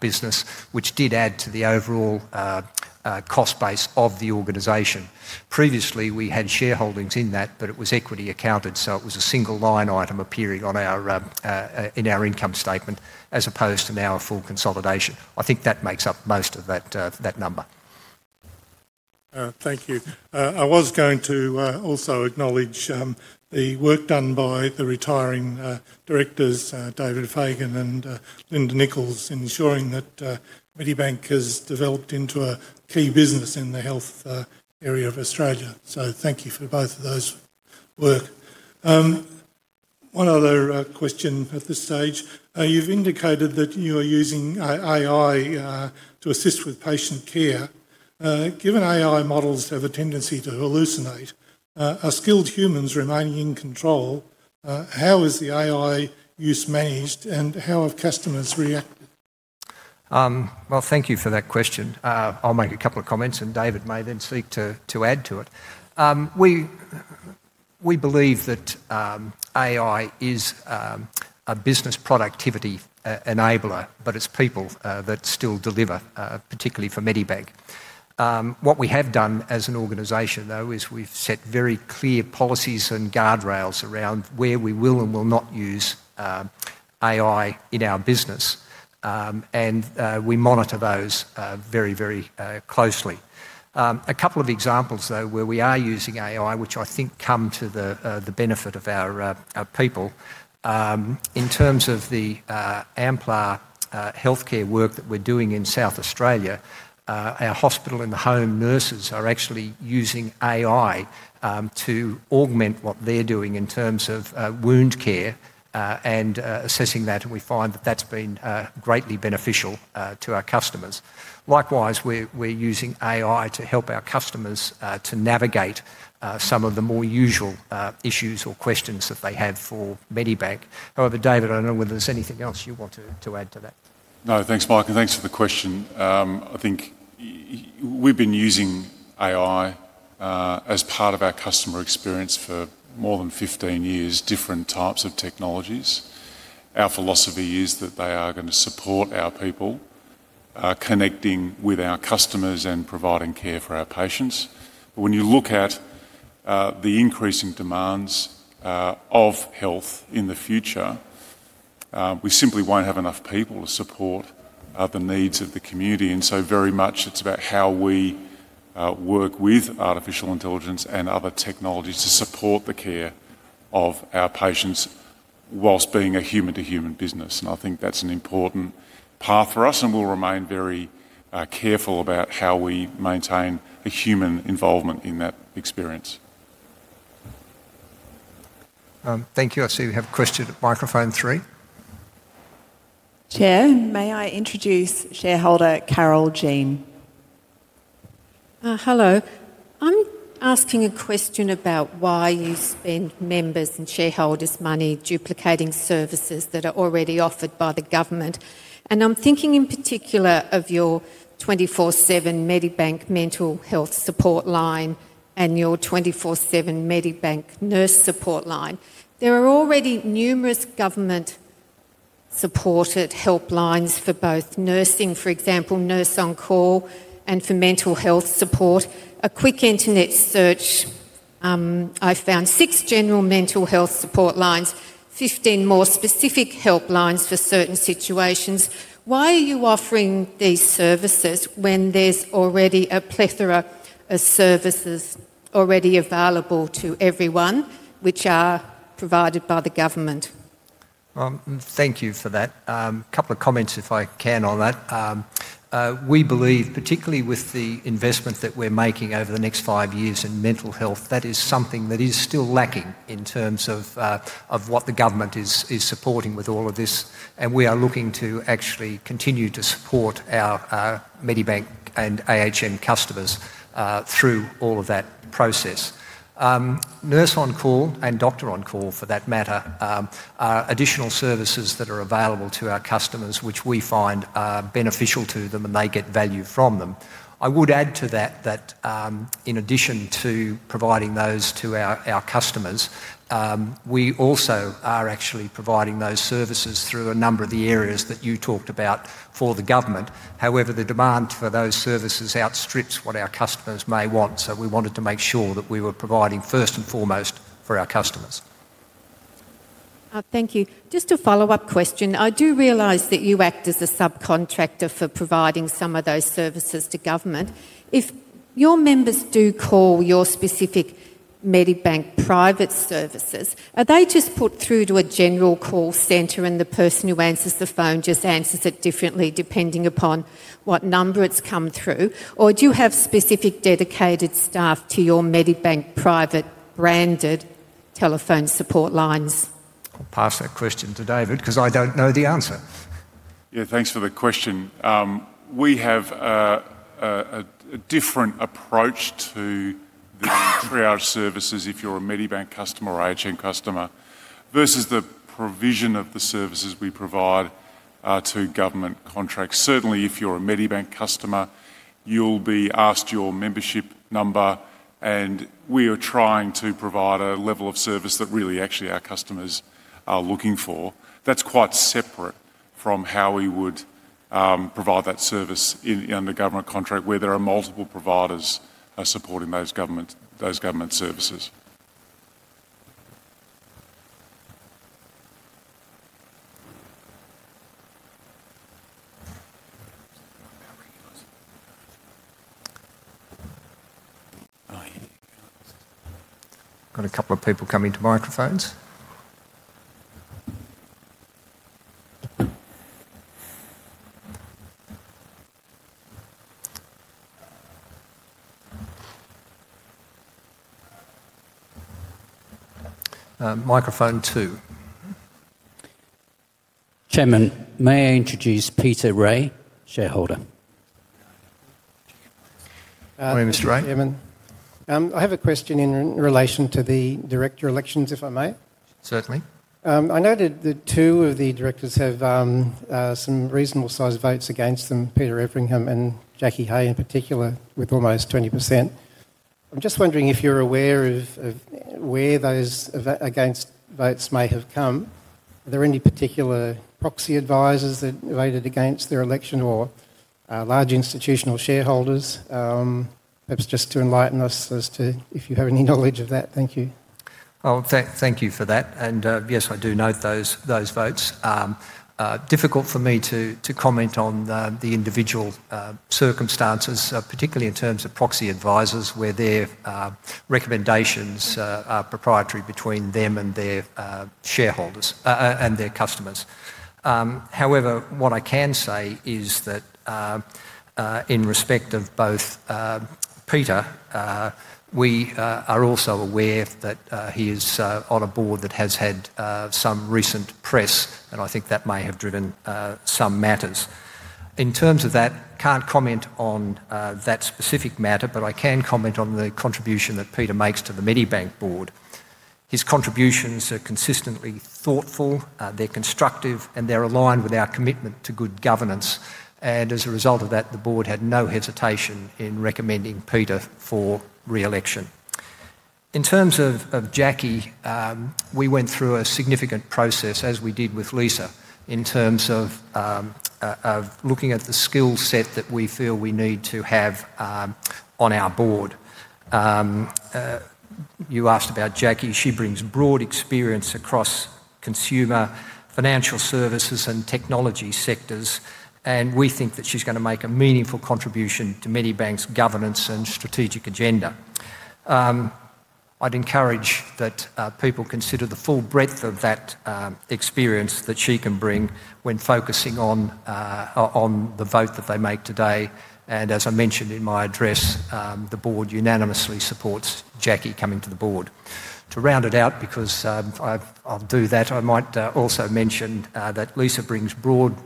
business, which did add to the overall cost base of the organization. Previously, we had shareholdings in that, but it was equity accounted, so it was a single line item appearing in our income statement as opposed to now a full consolidation. I think that makes up most of that number. Thank you. I was going to also acknowledge the work done by the retiring directors, David Fagan and Linda Nichols, ensuring that Medibank has developed into a key business in the health area of Australia. Thank you for both of those work. One other question at this stage. You've indicated that you are using AI to assist with patient care. Given AI models have a tendency to hallucinate, are skilled humans remaining in control? How is the AI use managed, and how have customers reacted? Thank you for that question. I'll make a couple of comments, and David may then seek to add to it. We believe that AI is a business productivity enabler, but it's people that still deliver, particularly for Medibank. What we have done as an organization, though, is we've set very clear policies and guardrails around where we will and will not use AI in our business, and we monitor those very, very closely. A couple of examples, though, where we are using AI, which I think come to the benefit of our people. In terms of the Amplar Health care work that we're doing in South Australia, our hospital and the home nurses are actually using AI to augment what they're doing in terms of wound care and assessing that, and we find that that's been greatly beneficial to our customers. Likewise, we're using AI to help our customers to navigate some of the more usual issues or questions that they have for Medibank. However, David, I don't know whether there's anything else you want to add to that. No, thanks, Mark, and thanks for the question. I think we've been using AI as part of our customer experience for more than 15 years, different types of technologies. Our philosophy is that they are going to support our people, connecting with our customers and providing care for our patients. When you look at the increasing demands of health in the future, we simply won't have enough people to support the needs of the community. It is very much about how we work with artificial intelligence and other technologies to support the care of our patients whilst being a human-to-human business. I think that's an important path for us, and we'll remain very careful about how we maintain a human involvement in that experience. Thank you. I see we have a question at microphone three. Chair, may I introduce shareholder Carol Jean? Hello. I'm asking a question about why you spend members and shareholders' money duplicating services that are already offered by the government. I'm thinking in particular of your 24/7 Medibank mental health support line and your 24/7 Medibank nurse support line. There are already numerous government-supported helplines for both nursing, for example, nurse-on-call, and for mental health support. A quick internet search, I found six general mental health support lines, 15 more specific helplines for certain situations. Why are you offering these services when there's already a plethora of services already available to everyone, which are provided by the government? Thank you for that. A couple of comments, if I can, on that. We believe, particularly with the investment that we're making over the next five years in mental health, that is something that is still lacking in terms of what the government is supporting with all of this. We are looking to actually continue to support our Medibank and AHM customers through all of that process. Nurse-on-call and doctor on call, for that matter, are additional services that are available to our customers, which we find beneficial to them, and they get value from them. I would add to that that, in addition to providing those to our customers, we also are actually providing those services through a number of the areas that you talked about for the government. However, the demand for those services outstrips what our customers may want, so we wanted to make sure that we were providing first and foremost for our customers. Thank you. Just a follow-up question. I do realize that you act as a subcontractor for providing some of those services to government. If your members do call your specific Medibank Private services, are they just put through to a general call center, and the person who answers the phone just answers it differently depending upon what number it has come through? Or do you have specific dedicated staff to your Medibank Private branded telephone support lines? I'll pass that question to David because I don't know the answer. Yeah, thanks for the question. We have a different approach to the triage services if you're a Medibank customer or AHM customer versus the provision of the services we provide to government contracts. Certainly, if you're a Medibank customer, you'll be asked your membership number, and we are trying to provide a level of service that really actually our customers are looking for. That's quite separate from how we would provide that service under government contract, where there are multiple providers supporting those government services. Got a couple of people coming to microphones. Microphone two. Chairman, may I introduce Peter Redd, shareholder? Morning, Mr. Redd. Chairman, I have a question in relation to the director elections, if I may. Certainly. I noted that two of the directors have some reasonable size votes against them, Peter Everingham and Jackie Hay in particular, with almost 20%. I'm just wondering if you're aware of where those against votes may have come. Are there any particular proxy advisors that voted against their election or large institutional shareholders? Perhaps just to enlighten us as to if you have any knowledge of that. Thank you. Oh, thank you for that. Yes, I do note those votes. Difficult for me to comment on the individual circumstances, particularly in terms of proxy advisors, where their recommendations are proprietary between them and their shareholders and their customers. However, what I can say is that in respect of both Peter, we are also aware that he is on a board that has had some recent press, and I think that may have driven some matters. In terms of that, I can't comment on that specific matter, but I can comment on the contribution that Peter makes to the Medibank board. His contributions are consistently thoughtful, they're constructive, and they're aligned with our commitment to good governance. As a result of that, the board had no hesitation in recommending Peter for re-election. In terms of Jackie, we went through a significant process, as we did with Lisa, in terms of looking at the skill set that we feel we need to have on our board. You asked about Jackie. She brings broad experience across consumer financial services and technology sectors, and we think that she's going to make a meaningful contribution to Medibank's governance and strategic agenda. I'd encourage that people consider the full breadth of that experience that she can bring when focusing on the vote that they make today. As I mentioned in my address, the board unanimously supports Jackie coming to the board. To round it out, because I'll do that, I might also mention that Lisa brings broad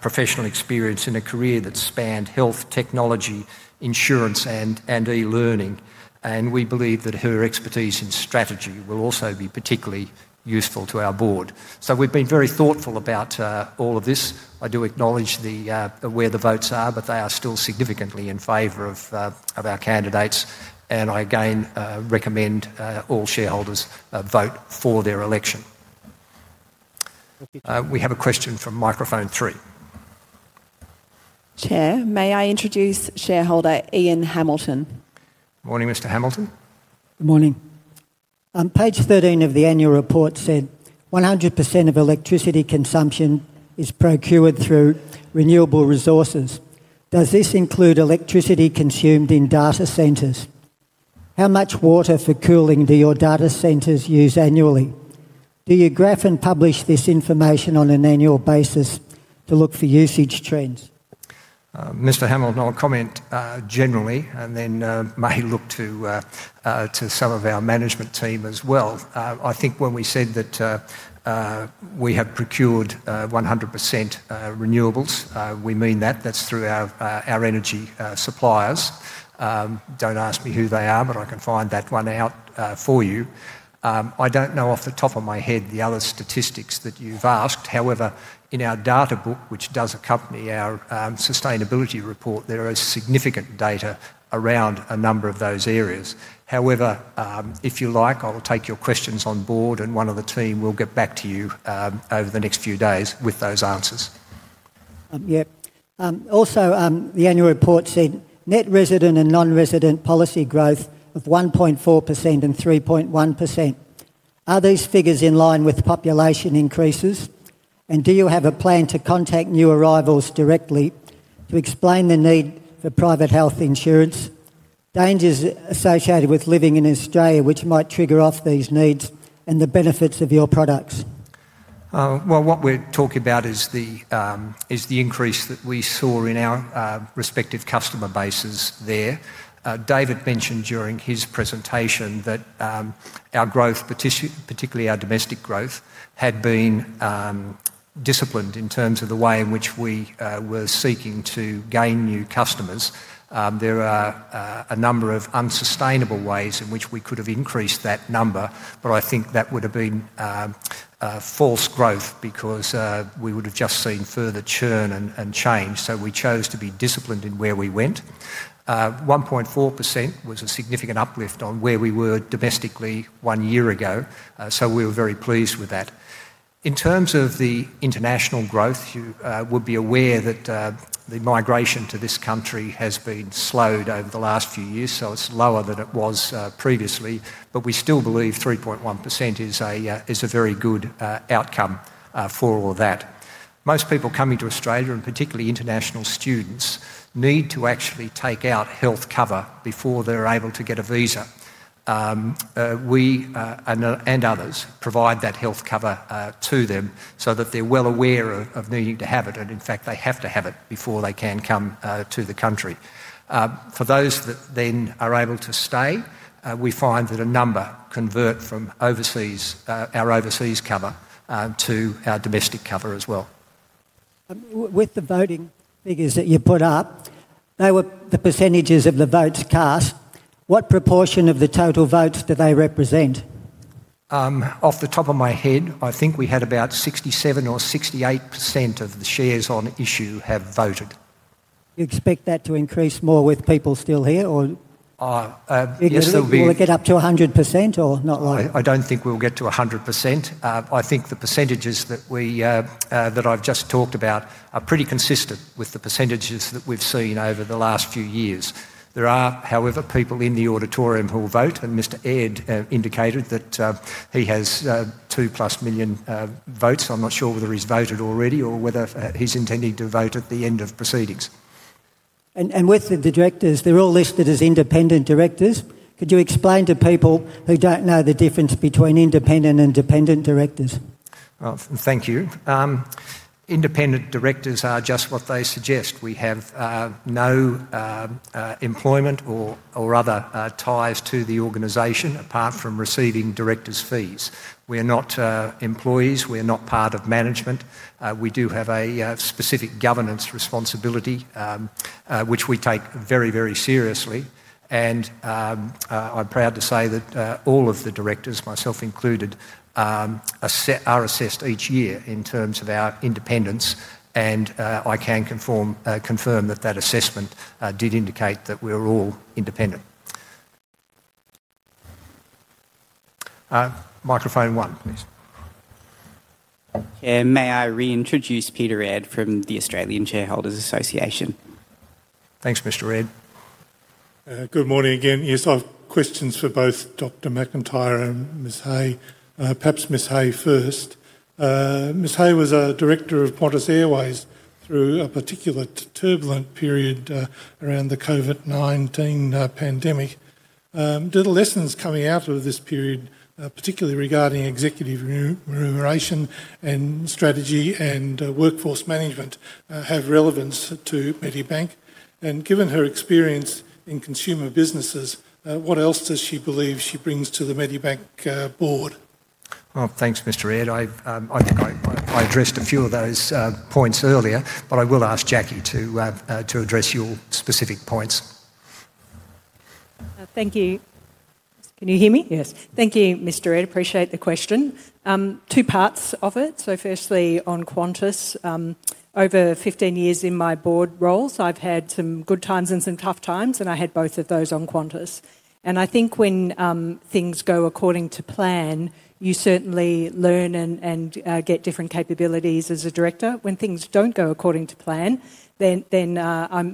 professional experience in a career that spanned health, technology, insurance, and eLearning. We believe that her expertise in strategy will also be particularly useful to our board. We have been very thoughtful about all of this. I do acknowledge where the votes are, but they are still significantly in favor of our candidates. I again recommend all shareholders vote for their election. We have a question from microphone three. Chair, may I introduce shareholder Ian Hamilton? Morning, Mr. Hamilton. Good morning. Page 13 of the annual report said 100% of electricity consumption is procured through renewable resources. Does this include electricity consumed in data centers? How much water for cooling do your data centers use annually? Do you graph and publish this information on an annual basis to look for usage trends? Mr. Hamilton, I'll comment generally and then may look to some of our management team as well. I think when we said that we have procured 100% renewables, we mean that. That's through our energy suppliers. Don't ask me who they are, but I can find that one out for you. I don't know off the top of my head the other statistics that you've asked. However, in our data book, which does accompany our sustainability report, there is significant data around a number of those areas. However, if you like, I'll take your questions on board, and one of the team will get back to you over the next few days with those answers. Yeah. Also, the annual report said net resident and non-resident policy growth of 1.4% and 3.1%. Are these figures in line with population increases? And do you have a plan to contact new arrivals directly to explain the need for private health insurance? Dangers associated with living in Australia, which might trigger off these needs and the benefits of your products? What we're talking about is the increase that we saw in our respective customer bases there. David mentioned during his presentation that our growth, particularly our domestic growth, had been disciplined in terms of the way in which we were seeking to gain new customers. There are a number of unsustainable ways in which we could have increased that number, but I think that would have been false growth because we would have just seen further churn and change. We chose to be disciplined in where we went. 1.4% was a significant uplift on where we were domestically one year ago, so we were very pleased with that. In terms of the international growth, you would be aware that the migration to this country has been slowed over the last few years, so it is lower than it was previously. We still believe 3.1% is a very good outcome for all of that. Most people coming to Australia, and particularly international students, need to actually take out health cover before they're able to get a visa. We and others provide that health cover to them so that they're well aware of needing to have it, and in fact, they have to have it before they can come to the country. For those that then are able to stay, we find that a number convert from our overseas cover to our domestic cover as well. With the voting figures that you put up, the percentages of the votes cast, what proportion of the total votes do they represent? Off the top of my head, I think we had about 67% or 68% of the shares on issue have voted. You expect that to increase more with people still here, or will it get up to 100%, or not likely? I don't think we'll get to 100%. I think the percentages that I've just talked about are pretty consistent with the percentages that we've seen over the last few years. There are, however, people in the auditorium who will vote, and Mr. Ed indicated that he has 2-plus million votes. I'm not sure whether he's voted already or whether he's intending to vote at the end of proceedings. With the directors, they're all listed as independent directors. Could you explain to people who don't know the difference between independent and dependent directors? Thank you. Independent directors are just what they suggest. We have no employment or other ties to the organization apart from receiving director's fees. We are not employees. We are not part of management. We do have a specific governance responsibility, which we take very, very seriously. I'm proud to say that all of the directors, myself included, are assessed each year in terms of our independence, and I can confirm that that assessment did indicate that we're all independent. Microphone one, please. May I reintroduce Peter Redd from the Australian Shareholders Association? Thanks, Mr. Redd. Good morning again. Yes, I have questions for both Dr. McIntyre and Ms. Hey. Perhaps Ms. Hay first. Ms. Hey was a director of Qantas Airways through a particularly turbulent period around the COVID-19 pandemic. Do the lessons coming out of this period, particularly regarding executive remuneration and strategy and workforce management, have relevance to Medibank? And given her experience in consumer businesses, what else does she believe she brings to the Medibank board? Thanks, Mr. Redd. I think I addressed a few of those points earlier, but I will ask Jackie to address your specific points. Thank you. Can you hear me? Yes. Thank you, Mr. Redd. Appreciate the question. Two parts of it. Firstly, on Qantas, over 15 years in my board roles, I've had some good times and some tough times, and I had both of those on Qantas. I think when things go according to plan, you certainly learn and get different capabilities as a director. When things do not go according to plan, then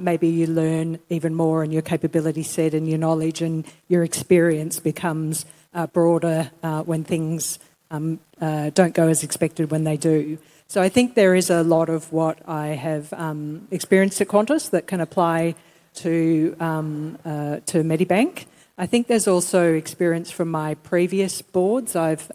maybe you learn even more and your capability set and your knowledge and your experience becomes broader when things do not go as expected when they do. I think there is a lot of what I have experienced at Qantas that can apply to Medibank. I think there is also experience from my previous boards. I've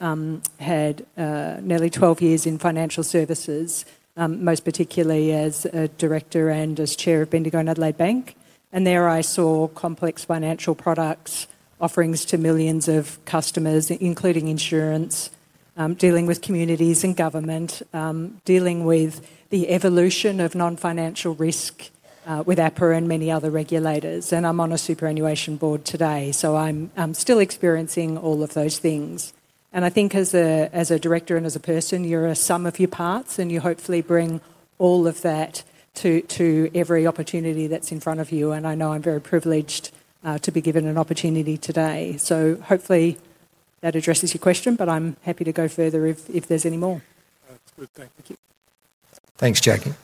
had nearly 12 years in financial services, most particularly as a director and as chair of Bendigo and Adelaide Bank. There I saw complex financial products, offerings to millions of customers, including insurance, dealing with communities and government, dealing with the evolution of non-financial risk with APRA and many other regulators. I'm on a superannuation board today, so I'm still experiencing all of those things. I think as a director and as a person, you're a sum of your parts, and you hopefully bring all of that to every opportunity that's in front of you. I know I'm very privileged to be given an opportunity today. Hopefully that addresses your question, but I'm happy to go further if there's any more. That's good. Thank you. Thanks, Jacque. With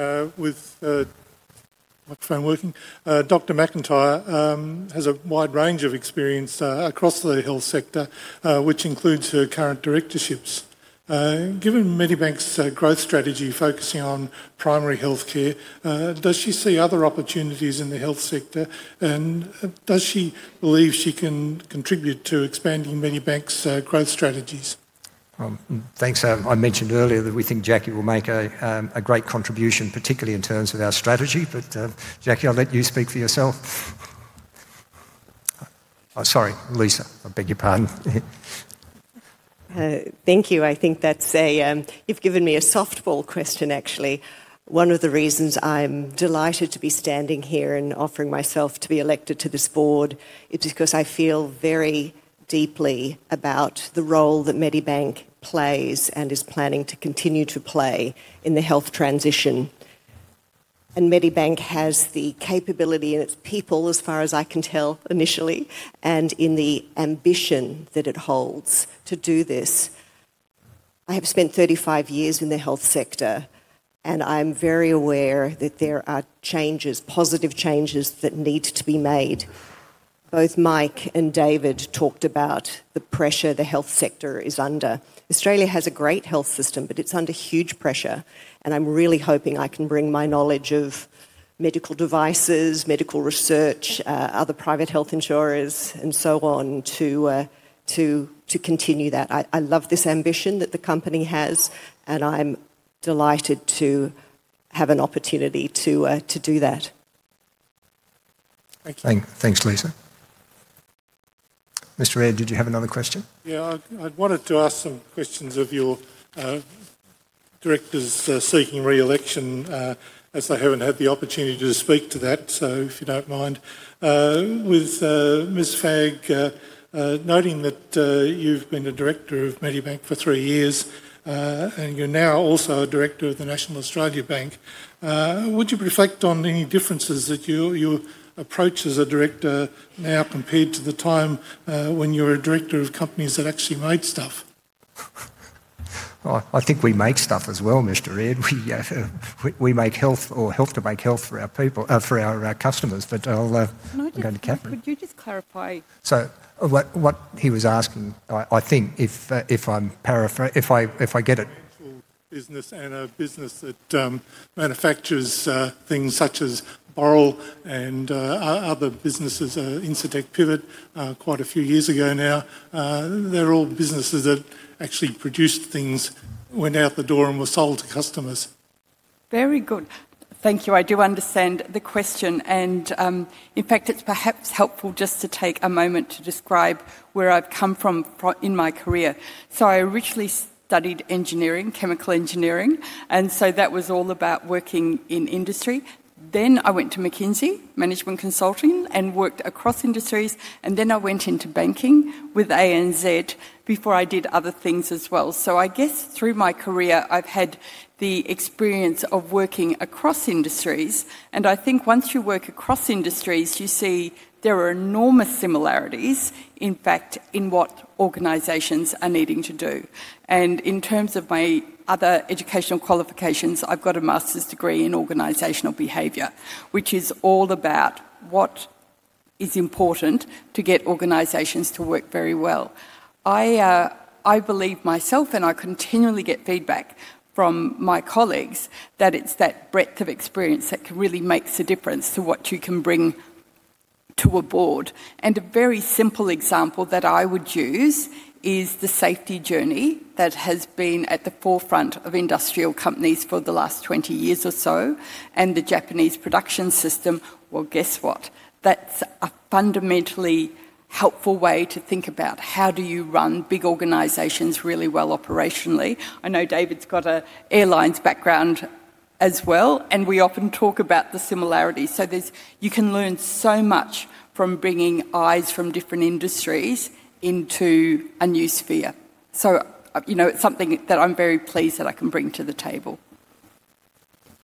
the microphone working, Dr. McIntyre has a wide range of experience across the health sector, which includes her current directorships. Given Medibank's growth strategy focusing on primary healthcare, does she see other opportunities in the health sector? Does she believe she can contribute to expanding Medibank's growth strategies? Thanks. I mentioned earlier that we think Jackie will make a great contribution, particularly in terms of our strategy. Jackie, I'll let you speak for yourself. Sorry, Lisa. I beg your pardon. Thank you. I think that's a—you've given me a softball question, actually. One of the reasons I'm delighted to be standing here and offering myself to be elected to this board is because I feel very deeply about the role that Medibank plays and is planning to continue to play in the health transition. Medibank has the capability and its people, as far as I can tell initially, and in the ambition that it holds to do this. I have spent 35 years in the health sector, and I'm very aware that there are changes, positive changes that need to be made. Both Mike and David talked about the pressure the health sector is under. Australia has a great health system, but it's under huge pressure. I'm really hoping I can bring my knowledge of medical devices, medical research, other private health insurers, and so on to continue that. I love this ambition that the company has, and I'm delighted to have an opportunity to do that. Thanks, Lisa. Mr. Redd, did you have another question? Yeah, I'd wanted to ask some questions of your directors seeking re-election, as I haven't had the opportunity to speak to that, if you don't mind. With Ms. Fagg, noting that you've been a director of Medibank for three years and you're now also a director of the National Australia Bank, would you reflect on any differences that your approach as a director now compared to the time when you were a director of companies that actually made stuff? I think we made stuff as well, Mr. Redd. We make health or health to make health for our customers, but I'll go to Kathryn. Could you just clarify? So what he was asking, I think, if I get it. Business and a business that manufactures things such as Boral and other businesses, Incitec Pivot, quite a few years ago now. They're all businesses that actually produced things when out the door and were sold to customers. Very good. Thank you. I do understand the question. It is perhaps helpful just to take a moment to describe where I've come from in my career. I originally studied engineering, chemical engineering, and that was all about working in industry. I went to McKinsey, management consulting, and worked across industries. I went into banking with ANZ before I did other things as well. I guess through my career, I've had the experience of working across industries. I think once you work across industries, you see there are enormous similarities, in fact, in what organizations are needing to do. In terms of my other educational qualifications, I've got a master's degree in organizational behavior, which is all about what is important to get organizations to work very well. I believe myself, and I continually get feedback from my colleagues, that it's that breadth of experience that really makes a difference to what you can bring to a board. A very simple example that I would use is the safety journey that has been at the forefront of industrial companies for the last 20 years or so, and the Japanese production system. Guess what? That's a fundamentally helpful way to think about how you run big organizations really well operationally. I know David's got an airlines background as well, and we often talk about the similarities. You can learn so much from bringing eyes from different industries into a new sphere. It's something that I'm very pleased that I can bring to the table.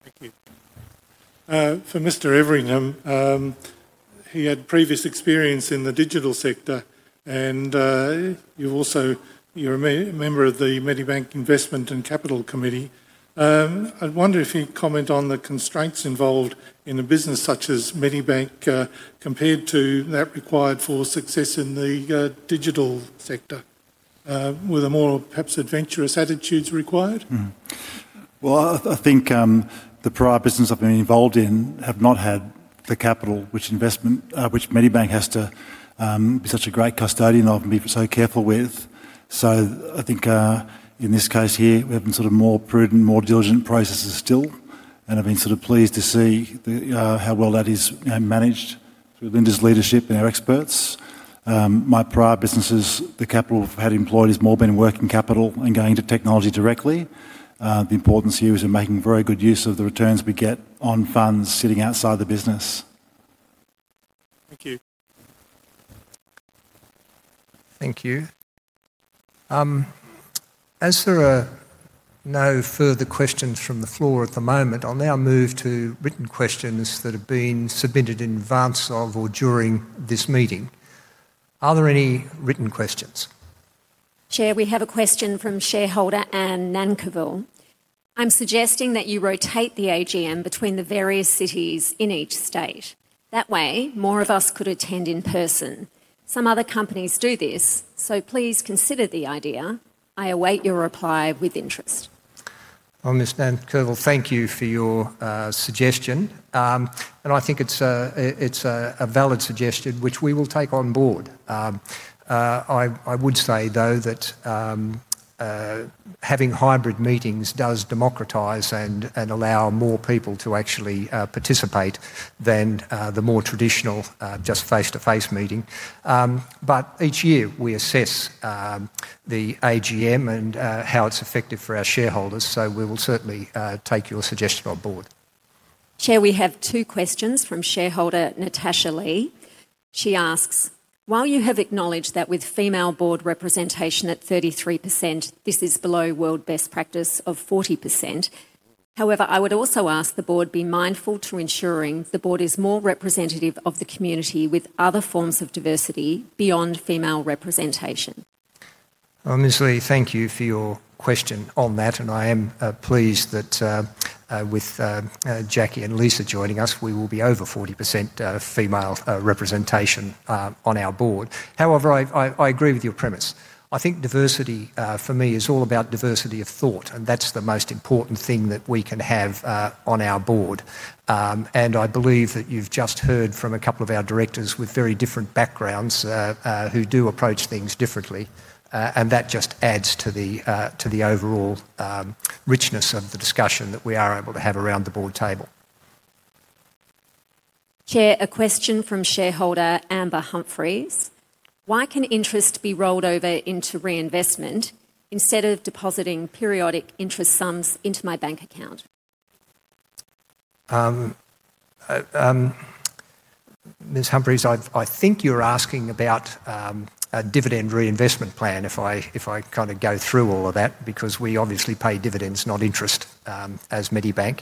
Thank you. For Mr. Everingham, he had previous experience in the digital sector, and you're also a member of the Medibank Investment and Capital Committee. I'd wonder if you'd comment on the constraints involved in a business such as Medibank compared to that required for success in the digital sector, with a more perhaps adventurous attitude required? I think the prior business I've been involved in have not had the capital, which Medibank has to be such a great custodian of and be so careful with. I think in this case here, we're having sort of more prudent, more diligent processes still, and I've been sort of pleased to see how well that is managed through Linda's leadership and our experts. My prior businesses, the capital I've had employed has more been working capital and going to technology directly. The importance here is we're making very good use of the returns we get on funds sitting outside the business. Thank you. Thank you. As there are no further questions from the floor at the moment, I'll now move to written questions that have been submitted in advance of or during this meeting. Are there any written questions? Chair, we have a question from shareholder Anne [Nancarrow]. I'm suggesting that you rotate the AGM between the various cities in each state. That way, more of us could attend in person. Some other companies do this, so please consider the idea. I await your reply with interest. Ms. [Nancarrow], thank you for your suggestion. I think it's a valid suggestion, which we will take on board. I would say, though, that having hybrid meetings does democratize and allow more people to actually participate than the more traditional just face-to-face meeting. Each year we assess the AGM and how it's effective for our shareholders, so we will certainly take your suggestion on board. Chair, we have two questions from shareholder Natasha Lee. She asks, "While you have acknowledged that with female board representation at 33%, this is below world best practice of 40%, however, I would also ask the board be mindful to ensuring the board is more representative of the community with other forms of diversity beyond female representation." Ms. Lee, thank you for your question on that, and I am pleased that with Jackie and Lisa joining us, we will be over 40% female representation on our board. However, I agree with your premise. I think diversity for me is all about diversity of thought, and that's the most important thing that we can have on our board. I believe that you've just heard from a couple of our directors with very different backgrounds who do approach things differently, and that just adds to the overall richness of the discussion that we are able to have around the board table. Chair, a question from shareholder Amber Humphries. "Why can interest be rolled over into reinvestment instead of depositing periodic interest sums into my bank account?" Ms. Humphries, I think you're asking about a dividend reinvestment plan if I kind of go through all of that, because we obviously pay dividends, not interest, as Medibank.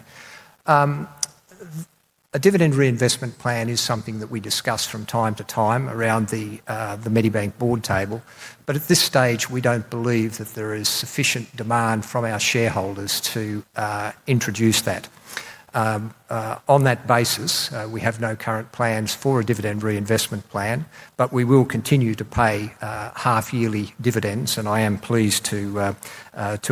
A dividend reinvestment plan is something that we discuss from time to time around the Medibank board table, but at this stage, we do not believe that there is sufficient demand from our shareholders to introduce that. On that basis, we have no current plans for a dividend reinvestment plan, but we will continue to pay half-yearly dividends, and I am pleased to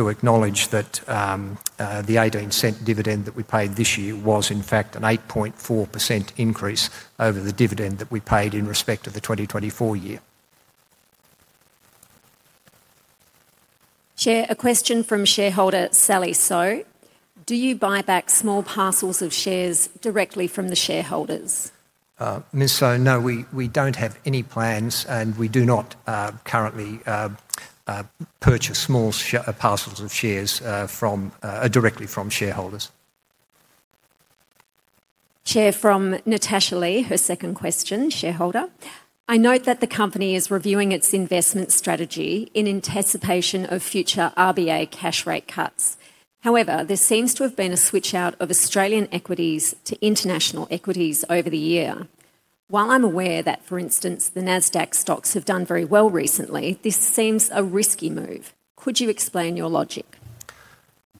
acknowledge that the 0.18 dividend that we paid this year was in fact an 8.4% increase over the dividend that we paid in respect of the 2024 year. Chair, a question from shareholder Sally Sow. "Do you buy back small parcels of shares directly from the shareholders?" Ms. Sow, no, we do not have any plans, and we do not currently purchase small parcels of shares directly from shareholders. Chair, from Natasha Lee, her second question, shareholder. I note that the company is reviewing its investment strategy in anticipation of future RBA cash rate cuts. However, there seems to have been a switch out of Australian equities to international equities over the year. While I'm aware that, for instance, the NASDAQ stocks have done very well recently, this seems a risky move. Could you explain your logic?"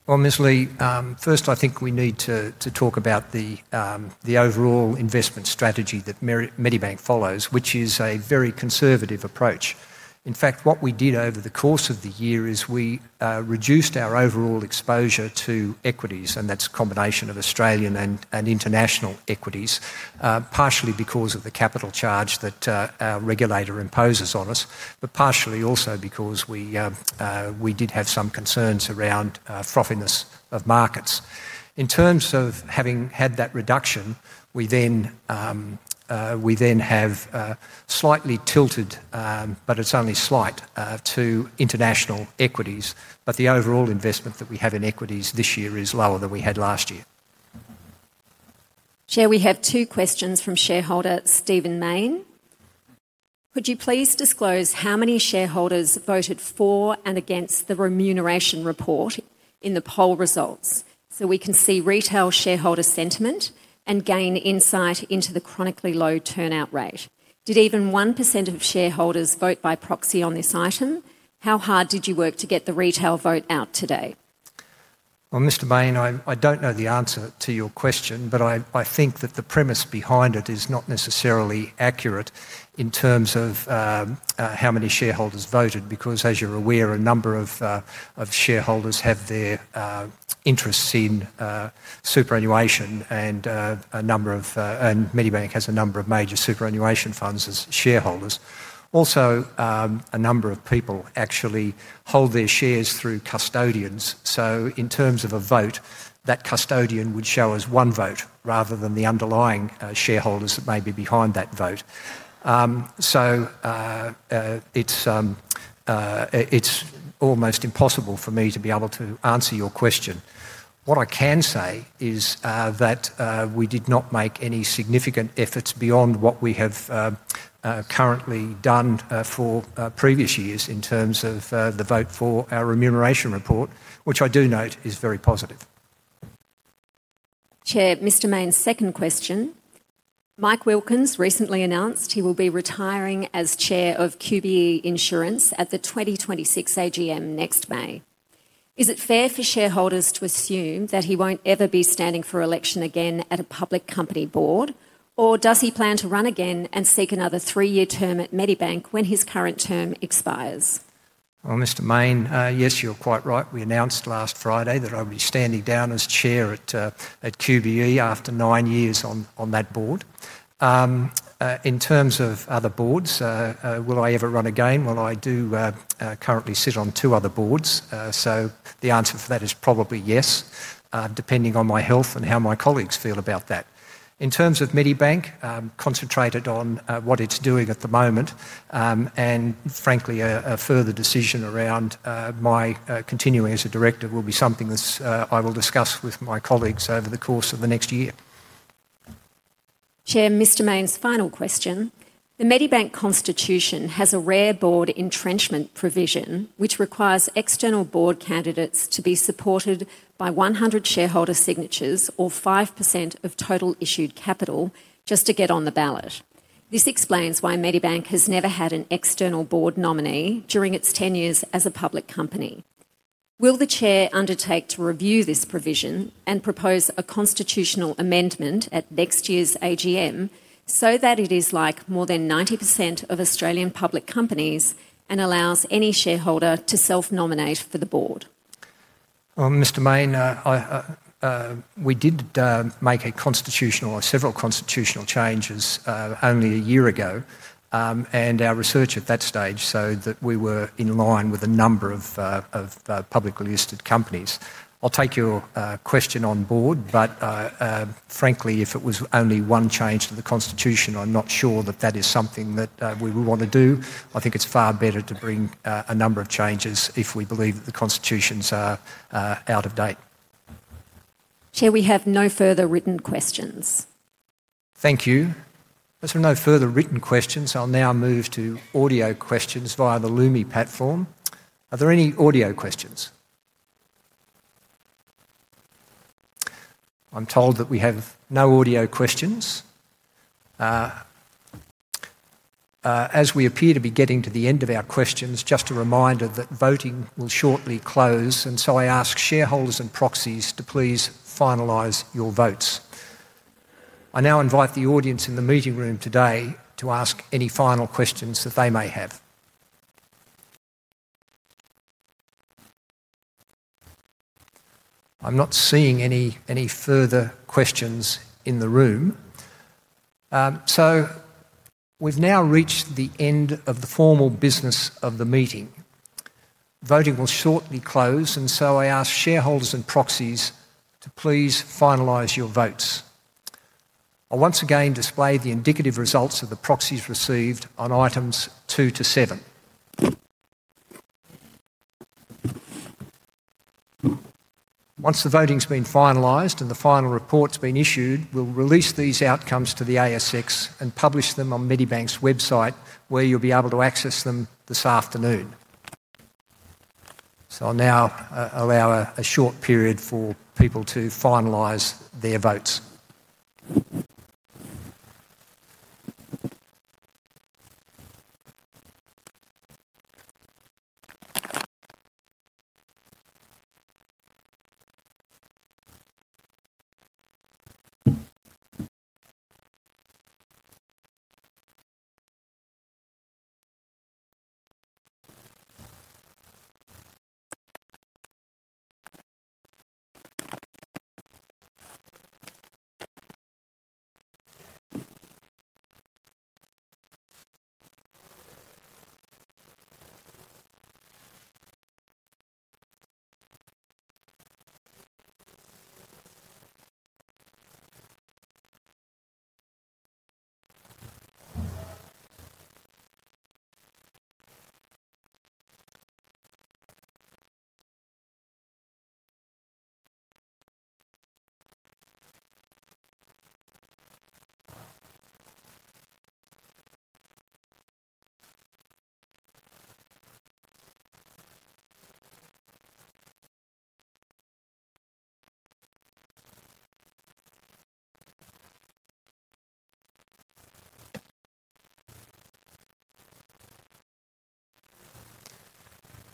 Ms. Lee, first, I think we need to talk about the overall investment strategy that Medibank follows, which is a very conservative approach. In fact, what we did over the course of the year is we reduced our overall exposure to equities, and that's a combination of Australian and international equities, partially because of the capital charge that our regulator imposes on us, but partially also because we did have some concerns around frothiness of markets. In terms of having had that reduction, we then have slightly tilted, but it's only slight, to international equities. The overall investment that we have in equities this year is lower than we had last year. Chair, we have two questions from shareholder Stephen Main. "Could you please disclose how many shareholders voted for and against the remuneration report in the poll results so we can see retail shareholder sentiment and gain insight into the chronically low turnout rate? Did even 1% of shareholders vote by proxy on this item? How hard did you work to get the retail vote out today?" Mr. Main, I don't know the answer to your question, but I think that the premise behind it is not necessarily accurate in terms of how many shareholders voted, because as you're aware, a number of shareholders have their interests in superannuation, and Medibank has a number of major superannuation funds as shareholders. Also, a number of people actually hold their shares through custodians. In terms of a vote, that custodian would show us one vote rather than the underlying shareholders that may be behind that vote. It is almost impossible for me to be able to answer your question. What I can say is that we did not make any significant efforts beyond what we have currently done for previous years in terms of the vote for our remuneration report, which I do note is very positive. Chair, Mr. Main's second question. Mike Wilkins recently announced he will be retiring as chair of QBE Insurance at the 2026 AGM next May. Is it fair for shareholders to assume that he won't ever be standing for election again at a public company board, or does he plan to run again and seek another three-year term at Medibank when his current term expires?" Mr. Main, yes, you're quite right. We announced last Friday that I would be standing down as chair at QBE after nine years on that board. In terms of other boards, will I ever run again? I do currently sit on two other boards, so the answer for that is probably yes, depending on Myhealth and how my colleagues feel about that. In terms of Medibank, concentrated on what it's doing at the moment, and frankly, a further decision around my continuing as a director will be something that I will discuss with my colleagues over the course of the next year. Chair, Mr. Main's final question. "The Medibank constitution has a rare board entrenchment provision, which requires external board candidates to be supported by 100 shareholder signatures or 5% of total issued capital just to get on the ballot. This explains why Medibank has never had an external board nominee during its tenures as a public company. Will the chair undertake to review this provision and propose a constitutional amendment at next year's AGM so that it is like more than 90% of Australian public companies and allows any shareholder to self-nominate for the board?" Mr. Main, we did make several constitutional changes only a year ago, and our research at that stage showed that we were in line with a number of publicly listed companies. I'll take your question on board, but frankly, if it was only one change to the constitution, I'm not sure that that is something that we would want to do. I think it's far better to bring a number of changes if we believe that the constitutions are out of date. Chair, we have no further written questions. Thank you. As there are no further written questions, I'll now move to audio questions via the Lumi platform. Are there any audio questions? I'm told that we have no audio questions. As we appear to be getting to the end of our questions, just a reminder that voting will shortly close, and so I ask shareholders and proxies to please finalize your votes. I now invite the audience in the meeting room today to ask any final questions that they may have. I'm not seeing any further questions in the room. We have now reached the end of the formal business of the meeting. Voting will shortly close, and so I ask shareholders and proxies to please finalize your votes. I'll once again display the indicative results of the proxies received on items two to seven. Once the voting's been finalized and the final report's been issued, we'll release these outcomes to the ASX and publish them on Medibank's website, where you'll be able to access them this afternoon. I'll now allow a short period for people to finalize their votes.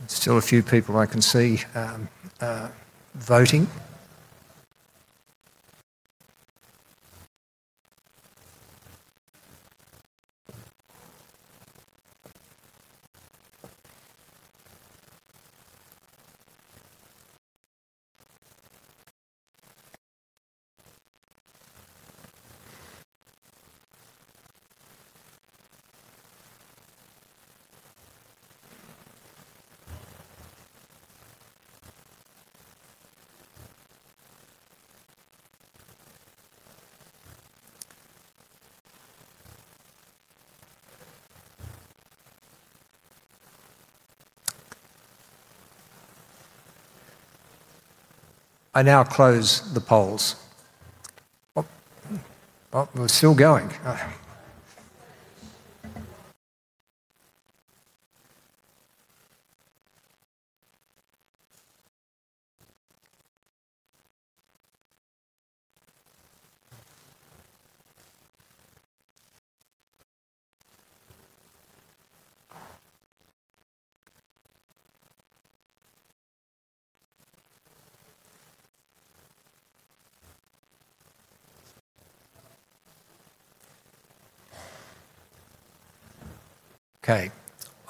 There's still a few people I can see voting. I now close the polls. Oh, we're still going.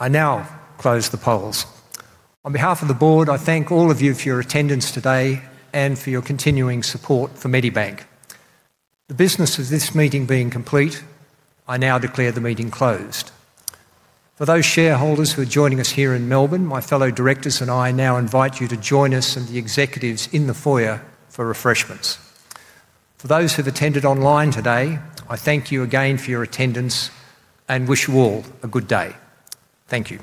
Okay, I now close the polls. On behalf of the board, I thank all of you for your attendance today and for your continuing support for Medibank. The business of this meeting being complete, I now declare the meeting closed. For those shareholders who are joining us here in Melbourne, my fellow directors and I now invite you to join us and the executives in the foyer for refreshments. For those who've attended online today, I thank you again for your attendance and wish you all a good day. Thank you.